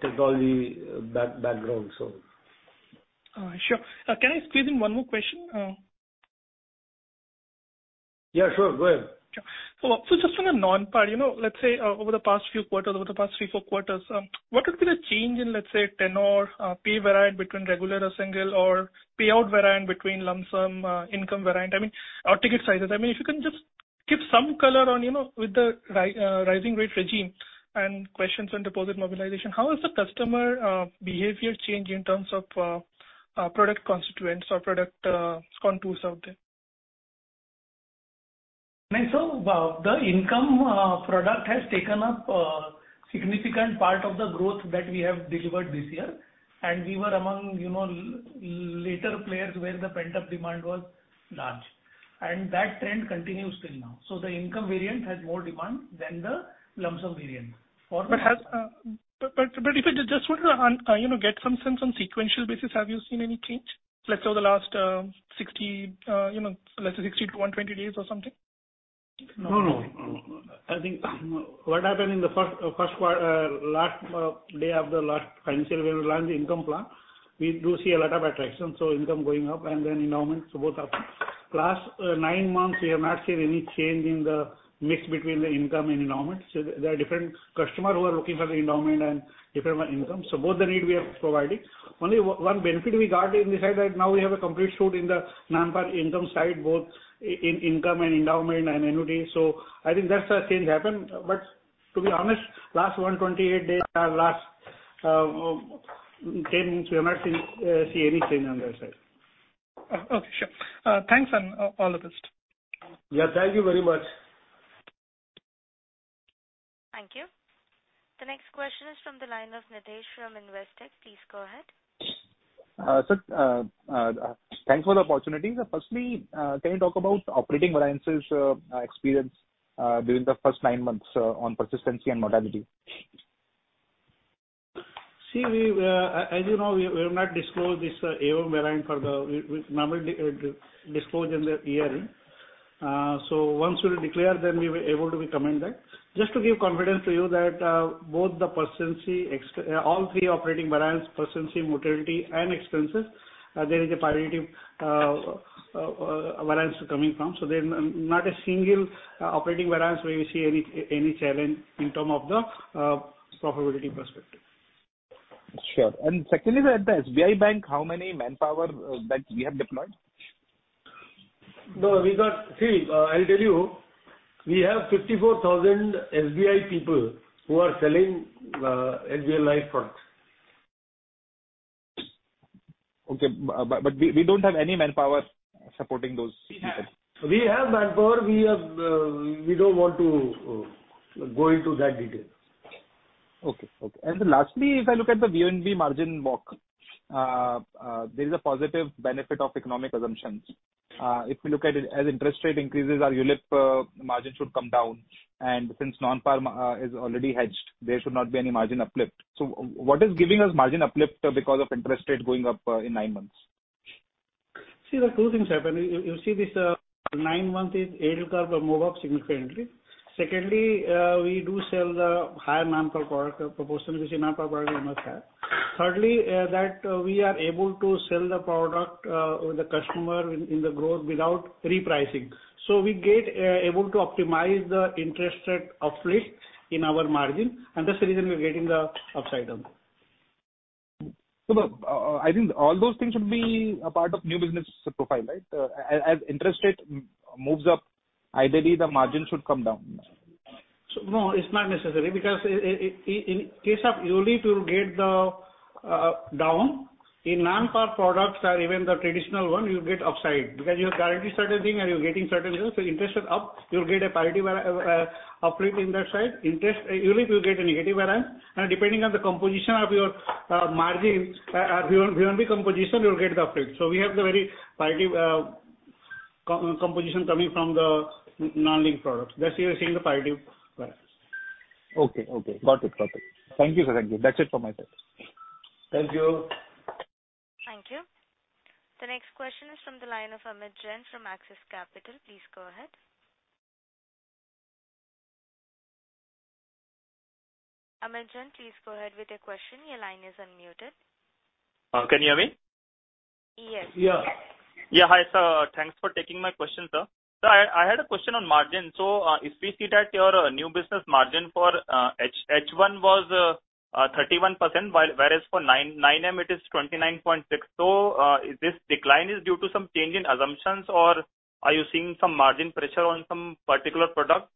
technology back-background, so. All right. Sure. Can I squeeze in one more question? Yeah, sure. Go ahead. Just on a non-par, you know, let's say over the past few quarters, over the past three, four quarters, what has been a change in, let's say, tenor, pay variant between regular or single or payout variant between lump sum, income variant, I mean, or ticket sizes? I mean, if you can just give some color on, you know, with the rising rate regime and questions on deposit mobilization. How has the customer behavior changed in terms of product constituents or product contours out there? Well, the income product has taken up a significant part of the growth that we have delivered this year. We were among, you know, later players where the pent-up demand was large, and that trend continues till now. The income variant has more demand than the lump sum variant for now. If it just want to, you know, get some sense on sequential basis, have you seen any change, let's say, over the last, let's say 60-120 days or something? No, no. I think what happened in the first day of the last financial year, we launched the income plan. We do see a lot of attraction, so income going up and then endowment, so both are. Last nine months, we have not seen any change in the mix between the income and endowment. There are different customer who are looking for the endowment and different for income. Both the need we are providing. Only one benefit we got in this is that now we have a complete suite in the non-par income side, both in income and endowment and annuity. I think that's where change happened. To be honest, last 128 days or last 10 weeks, we have not seen any change on that side. Okay, sure. Thanks and all the best. Yeah, thank you very much. Thank you. The next question is from the line of Nidhesh from Investec. Please go ahead. Sir, thanks for the opportunity. Firstly, can you talk about operating variances, experience during the first nine months on persistency and mortality? See, as you know, we have not disclosed this AO variant. We normally disclose in the year-end. Once we declare, then we'll be able to comment that. Just to give confidence to you that, all three operating variance, persistency, mortality and expenses, there is a positive variance coming from. There's not a single operating variance where you see any challenge in terms of the profitability perspective. Sure. secondly, sir, at the SBI bank, how many manpower, bank we have deployed? No, See, I'll tell you, we have 54,000 SBI people who are selling SBI Life products. Okay. We don't have any manpower supporting those people. We have. We have manpower. We don't want to go into that detail. Okay. Okay. Lastly, if I look at the VNB margin walk, there is a positive benefit of economic assumptions. If we look at it, as interest rate increases, our ULIP margin should come down, and since non-par is already hedged, there should not be any margin uplift. What is giving us margin uplift because of interest rate going up in nine months? See, the two things happen. You see this, nine months is AUM move up significantly. Secondly, we do sell the higher non-par product proportion. You see non-par product you must have. Thirdly, that we are able to sell the product, with the customer in the growth without repricing. We get, able to optimize the interest rate uplift in our margin, and that's the reason we're getting the upside on that. The, I think all those things should be a part of new business profile, right? As interest rate moves up, ideally the margin should come down. No, it's not necessary because in case of ULIP, you'll get the down. In non-par products or even the traditional one, you'll get upside because you are guarantee certain thing and you're getting certain results. Interest rate up, you'll get a positive uplift in that side. ULIP, you'll get a negative variance. Depending on the composition of your margin, V1B composition, you'll get the uplift. We have the very positive composition coming from the non-linked products. That's you're seeing the positive variance. Okay. Okay. Got it. Got it. Thank you, sir. Thank you. That's it from my side. Thank you. Thank you. The next question is from the line of Amit Jain from Axis Capital. Please go ahead. Amit Jain, please go ahead with your question. Your line is unmuted. Can you hear me? Yes. Yeah. Hi, sir. Thanks for taking my question, sir. I had a question on margin. If we see that your new business margin for H1 was 31%, whereas for 9M it is 29.6%. Is this decline is due to some change in assumptions, or are you seeing some margin pressure on some particular product?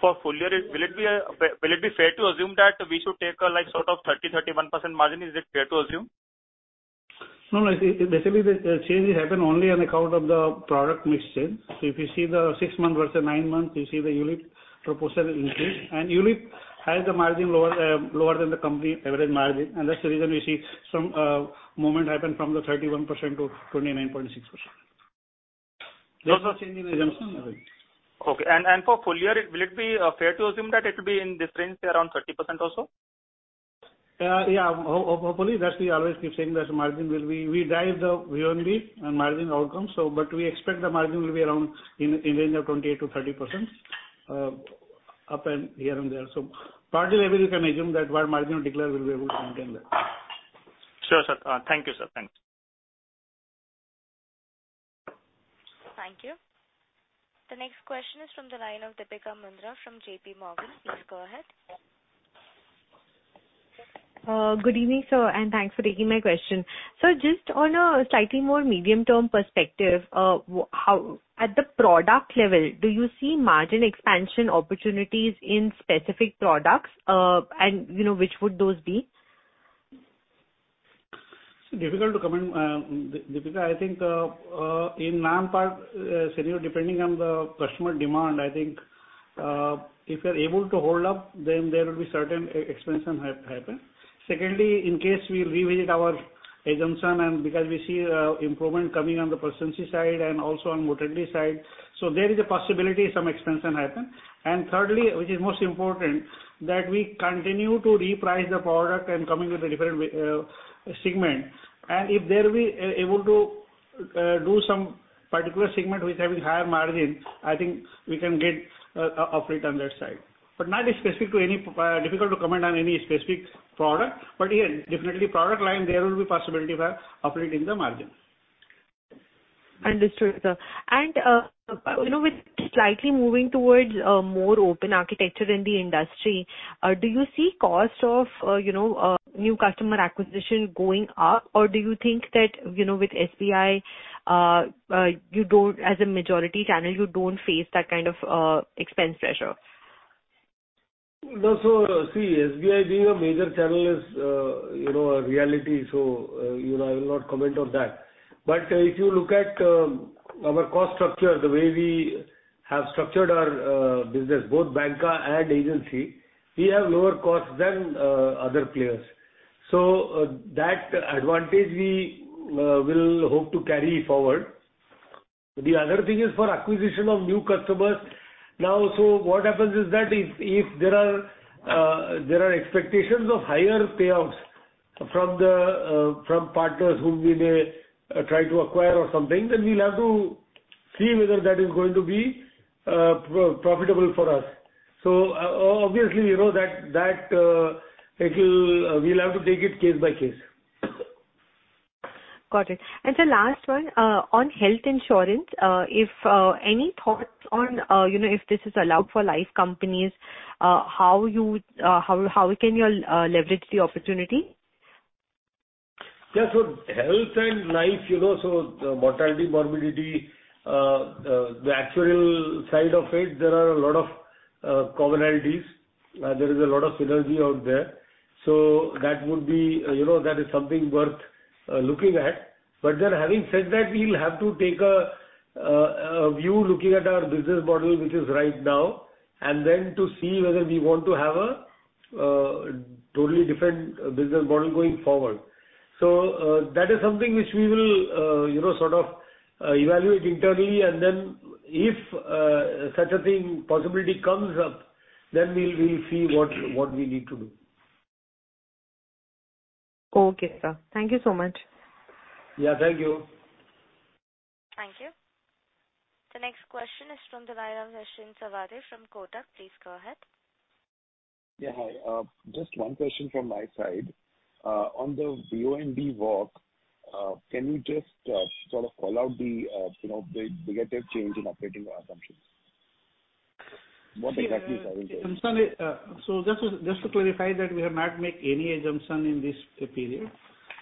For full year, will it be fair to assume that we should take a, like, sort of 30%, 31% margin? Is it fair to assume? No, no. Basically, the change happen only on account of the product mix change. If you see the six months versus nine months, you see the ULIP proportion increase. ULIP has the margin lower than the company average margin. That's the reason we see some movement happen from the 31% to 29.6%. Those are change in assumption. Okay. For full year, will it be fair to assume that it will be in this range around 30% also? Yeah, hopefully. That we always keep saying that margin will be, we guide the VNB and margin outcome, but we expect the margin will be around in range of 28%-30%, up and here and there. Partly, maybe you can assume that what margin we declare will be able to maintain that. Sure, sir. Thank you, sir. Thanks. Thank you. The next question is from the line of Deepika Mundra from JP Morgan. Please go ahead. Good evening, sir, thanks for taking my question. Sir, just on a slightly more medium-term perspective, how at the product level, do you see margin expansion opportunities in specific products, and, you know, which would those be? It's difficult to comment, Deepika. I think in my part, scenario, depending on the customer demand, I think, if you're able to hold up, then there will be certain expansion happen. Secondly, in case we revisit our assumption and because we see improvement coming on the percentage side and also on mortality side, so there is a possibility some expansion happen. Thirdly, which is most important, that we continue to reprice the product and coming with a different segment. If there we able to do some particular segment which having higher margin, I think we can get upped on that side. But not specific to any, difficult to comment on any specific product, but again, definitely product line there will be possibility for operating the margin. Understood, sir. You know, with slightly moving towards a more open architecture in the industry, do you see cost of, you know, new customer acquisition going up or do you think that, you know, with SBI, you don't as a majority channel, you don't face that kind of, expense pressure? See, SBI being a major channel is, you know, a reality, so, you know, I will not comment on that. If you look at our cost structure, the way we have structured our business, both banca and agency, we have lower costs than other players. That advantage we will hope to carry forward. The other thing is for acquisition of new customers. What happens is that if there are expectations of higher payoffs from partners who we may try to acquire or something, then we'll have to see whether that is going to be pro-profitable for us. Obviously, you know, that we'll have to take it case by case. Got it. The last one, on health insurance, if, any thoughts on, you know, if this is allowed for life companies, how can you leverage the opportunity? Yeah. Health and life, you know, so mortality, morbidity, the actuarial side of it, there are a lot of commonalities. There is a lot of synergy out there. You know, that is something worth looking at. Having said that, we'll have to take a view looking at our business model which is right now and then to see whether we want to have a totally different business model going forward. That is something which we will, you know, sort of, evaluate internally and then if such a thing possibility comes up, then we'll see what we need to do. Okay, sir. Thank you so much. Yeah, thank you. Thank you. The next question is from the line of Nischint Chawathe from Kotak. Please go ahead. Yeah, hi. Just one question from my side. On the VNB walk, can you just sort of call out the, you know, the negative change in operating assumptions? What exactly? See, I'm sorry. Just to clarify that we have not make any assumption in this period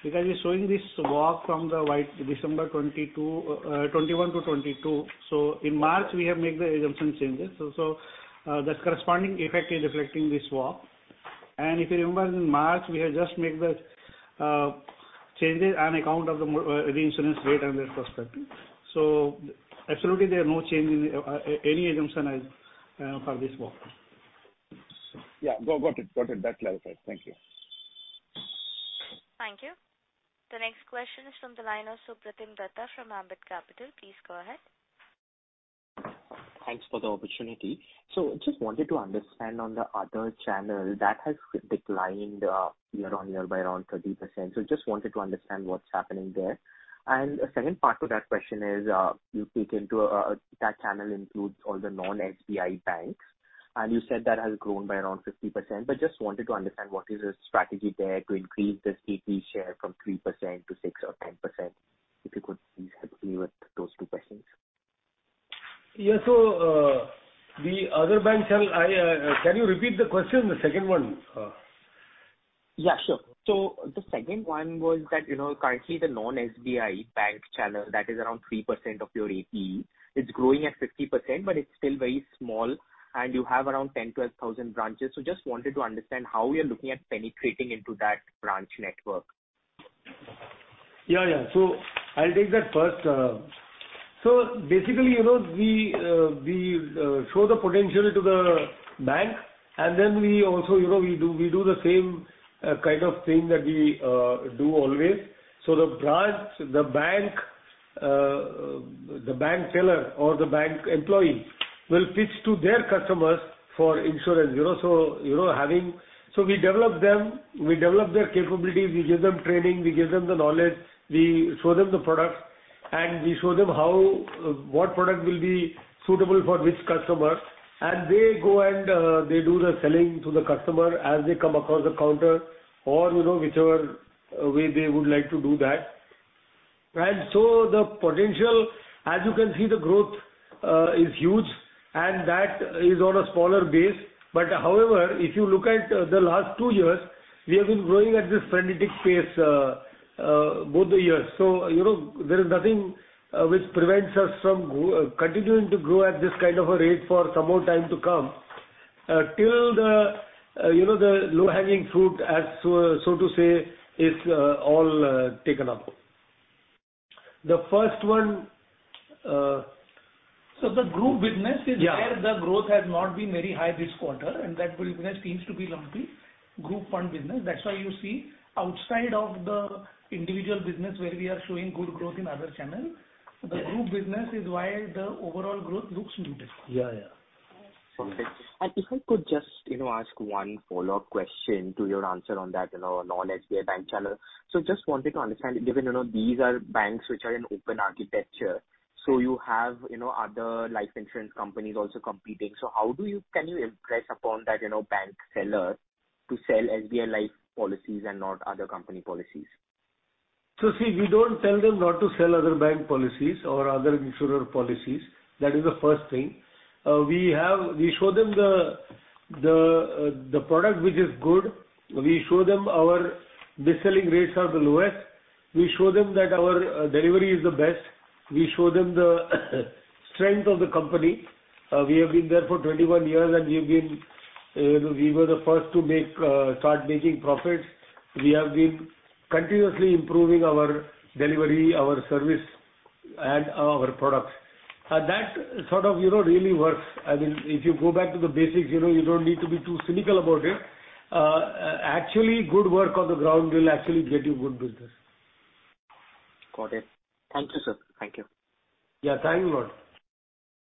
because we're showing this walk from the YOY December 2021 to 2022. In March we have made the assumption changes, that corresponding effect is reflecting this walk. If you remember in March, we had just made the changes on account of the insurance rate and their perspective. Absolutely there are no change in any assumption as for this walk. Yeah. Got it. Got it. That clarifies. Thank you. Thank you. The next question is from the line of Supratim Dutta from Ambit Capital. Please go ahead. Thanks for the opportunity. Just wanted to understand on the other channel that has declined year-over-year by around 30%. Just wanted to understand what's happening there. The second part of that question is, you take into, that channel includes all the non-SBI banks, and you said that has grown by around 50%, but just wanted to understand what is the strategy there to increase the APE share from 3% to 6% or 10%. If you could please help me with those two questions. Yeah. The other bank channel I, can you repeat the question, the second one? Yeah, sure. The second one was that, you know, currently the non-SBI bank channel that is around 3% of your APE, it's growing at 50%, but it's still very small and you have around 10,000-12,000 branches. Just wanted to understand how we are looking at penetrating into that branch network. Yeah, yeah. I'll take that first. Basically, you know, we show the potential to the bank and then we also, you know, we do the same, kind of thing that we do always. The branch, the bank teller or the bank employee will pitch to their customers for insurance, you know. You know, So we develop them, we develop their capabilities, we give them training, we give them the knowledge, we show them the product. We show them how, what product will be suitable for which customer, and they go and they do the selling to the customer as they come across the counter or, you know, whichever way they would like to do that. As you can see, the growth is huge, and that is on a smaller base. However, if you look at the last two years, we have been growing at this frenetic pace both the years. You know, there is nothing which prevents us from continuing to grow at this kind of a rate for some more time to come till the, you know, low-hanging fruit, as so to say, is all taken up. The group business is where the growth has not been very high this quarter, and that business seems to be lumpy, group one business. That's why you see outside of the individual business where we are showing good growth in other channels, the group business is why the overall growth looks muted. Yeah. Yeah. If I could just, you know, ask one follow-up question to your answer on that, you know, non-HDFC Bank channel. Just wanted to understand, given, you know, these are banks which are in open architecture, so you have, you know, other life insurance companies also competing. How can you impress upon that, you know, bank seller to sell HDFC Life policies and not other company policies? See, we don't tell them not to sell other bank policies or other insurer policies. That is the first thing. We show them the product which is good. We show them our best-selling rates are the lowest. We show them that our delivery is the best. We show them the strength of the company. We have been there for 21 years, and we've been, you know, we were the first to start making profits. We have been continuously improving our delivery, our service, and our products. That sort of, you know, really works. I mean, if you go back to the basics, you know, you don't need to be too cynical about it. Actually, good work on the ground will actually get you good business. Got it. Thank you, sir. Thank you. Yeah. Thank you a lot.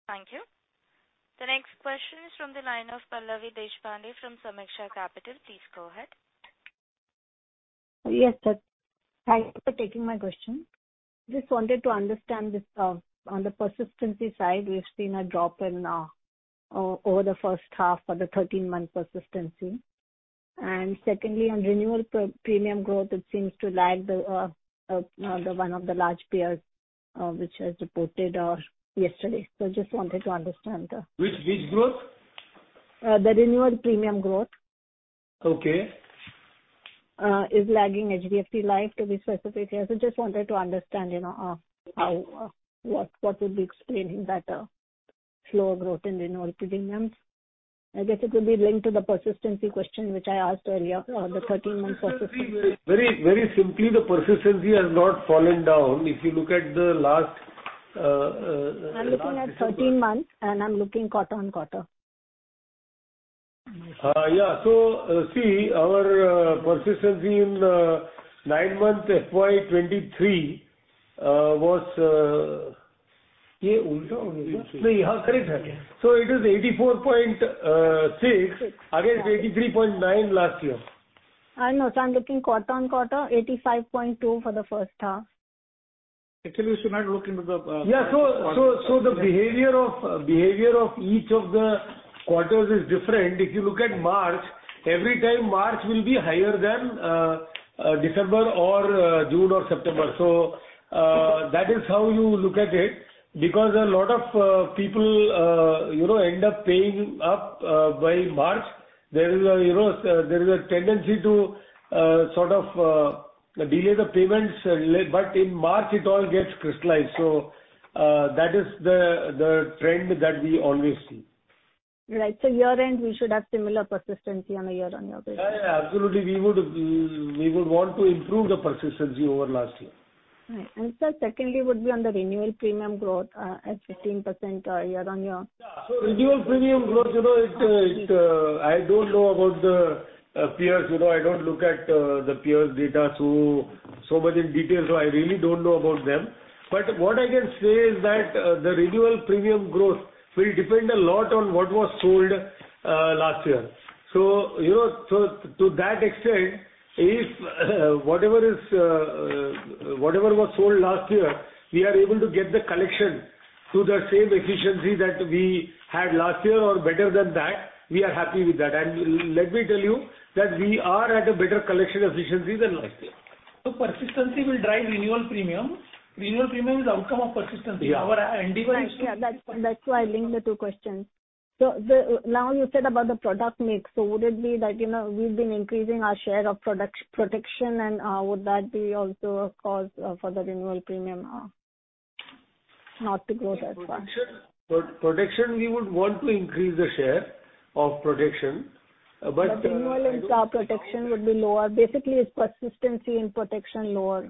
Thank you. The next question is from the line of Pallavi Deshpande from Sameeksha Capital. Please go ahead. Yes, sir. Thank you for taking my question. Just wanted to understand this on the persistency side, we've seen a drop in over the first half for the 13-month persistency. Secondly, on renewal premium growth, it seems to lag the one of the large peers, which has reported yesterday. Just wanted to understand that. Which growth? The renewal premium growth. Okay. Is lagging HDFC Life to be specific here. Just wanted to understand, you know, how, what would be explaining that slower growth in renewal premiums. I guess it could be linked to the persistency question which I asked earlier on the 13-month persistency. Very, very simply, the persistency has not fallen down. I'm looking at 13 months, and I'm looking quarter-on-quarter. Yeah. Our persistency in nine-month FY 2023 it is 84.6 against 83.9 last year. I know. I'm looking quarter on quarter, 85.2 for the first half. Actually, you should not look into the. Yeah. So the behavior of each of the quarters is different. If you look at March, every time March will be higher than December or June or September. That is how you look at it, because a lot of people, you know, end up paying up by March. There is a, you know, there is a tendency to sort of delay the payments, but in March it all gets crystallized. That is the trend that we always see. Right. year-end we should have similar persistency on a year-on-year basis. Yeah, absolutely. We would want to improve the persistency over last year. Right. Sir, secondly would be on the renewal premium growth, at 15% year-on-year. Yeah. Renewal premium growth, you know, I don't know about the peers. You know, I don't look at the peers' data so much in detail, so I really don't know about them. What I can say is that the renewal premium growth will depend a lot on what was sold last year. You know, so to that extent, if whatever was sold last year, we are able to get the collection to the same efficiency that we had last year or better than that, we are happy with that. Let me tell you that we are at a better collection efficiency than last year. Persistency will drive renewal premium. Renewal premium is outcome of persistency. Right. Yeah. That's, why I linked the two questions. Now you said about the product mix. Would it be that, you know, we've been increasing our share of product protection and would that be also a cause for the renewal premium not to grow that far? Protection, we would want to increase the share of protection. The renewal in protection would be lower. Basically, is persistency in protection lower?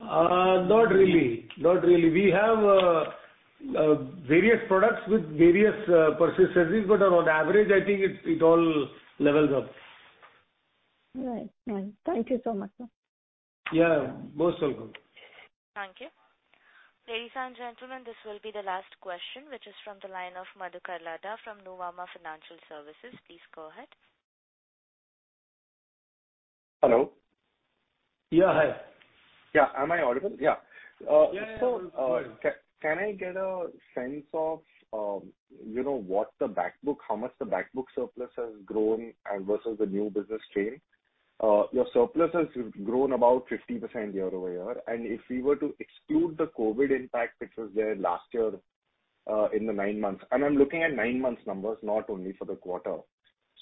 Not really. Not really. We have various products with various persistencies, but on average, I think it all levels up. Right. Thank you so much. Yeah. Most welcome. Thank you. Ladies and gentlemen, this will be the last question, which is from the line of Madhukar Ladha from Nuvama Wealth Management. Please go ahead. Hello? Yeah. Hi. Yeah. Am I audible? Yeah. Yeah, yeah. Can I get a sense of, you know, what the back book, how much the back book surplus has grown and versus the new business stream? Your surplus has grown about 50% year-over-year. If we were to exclude the COVID impact, which was there last year, in the ninre months, and I'm looking at nine months numbers, not only for the quarter.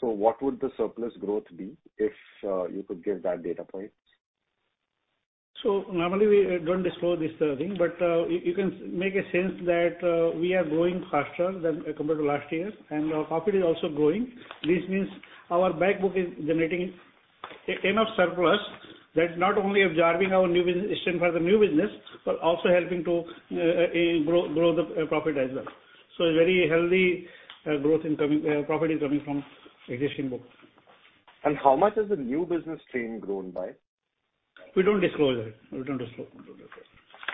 What would the surplus growth be if you could give that data point? Normally we don't disclose this thing, but you can make a sense that we are growing faster than compared to last year, and our profit is also growing. This means our back book is generating enough surplus that not only absorbing our for the new business, but also helping to grow the profit as well. A very healthy growth in coming profit is coming from existing book. How much has the new business stream grown by? We don't disclose that. We don't disclose.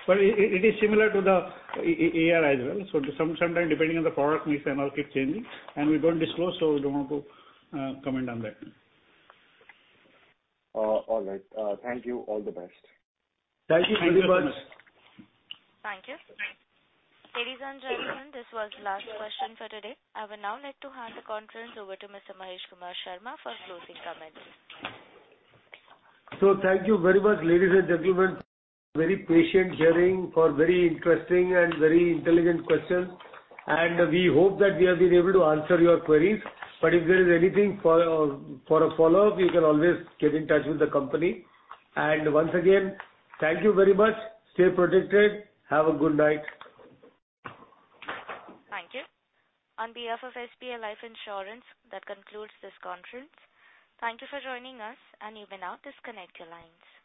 It is similar to the AR as well. Sometimes depending on the product mix and all keep changing and we don't disclose. We don't want to comment on that. All right. Thank you. All the best. Thank you very much. Thank you. Ladies and gentlemen, this was the last question for today. I would now like to hand the conference over to Mr. Mahesh Kumar Sharma for closing comments. Thank you very much, ladies and gentlemen, very patient hearing for very interesting and very intelligent questions, and we hope that we have been able to answer your queries. If there is anything for a follow-up, you can always get in touch with the company. Once again, thank you very much. Stay protected. Have a good night. Thank you. On behalf of SBI Life Insurance, that concludes this conference. Thank you for joining us and you may now disconnect your lines.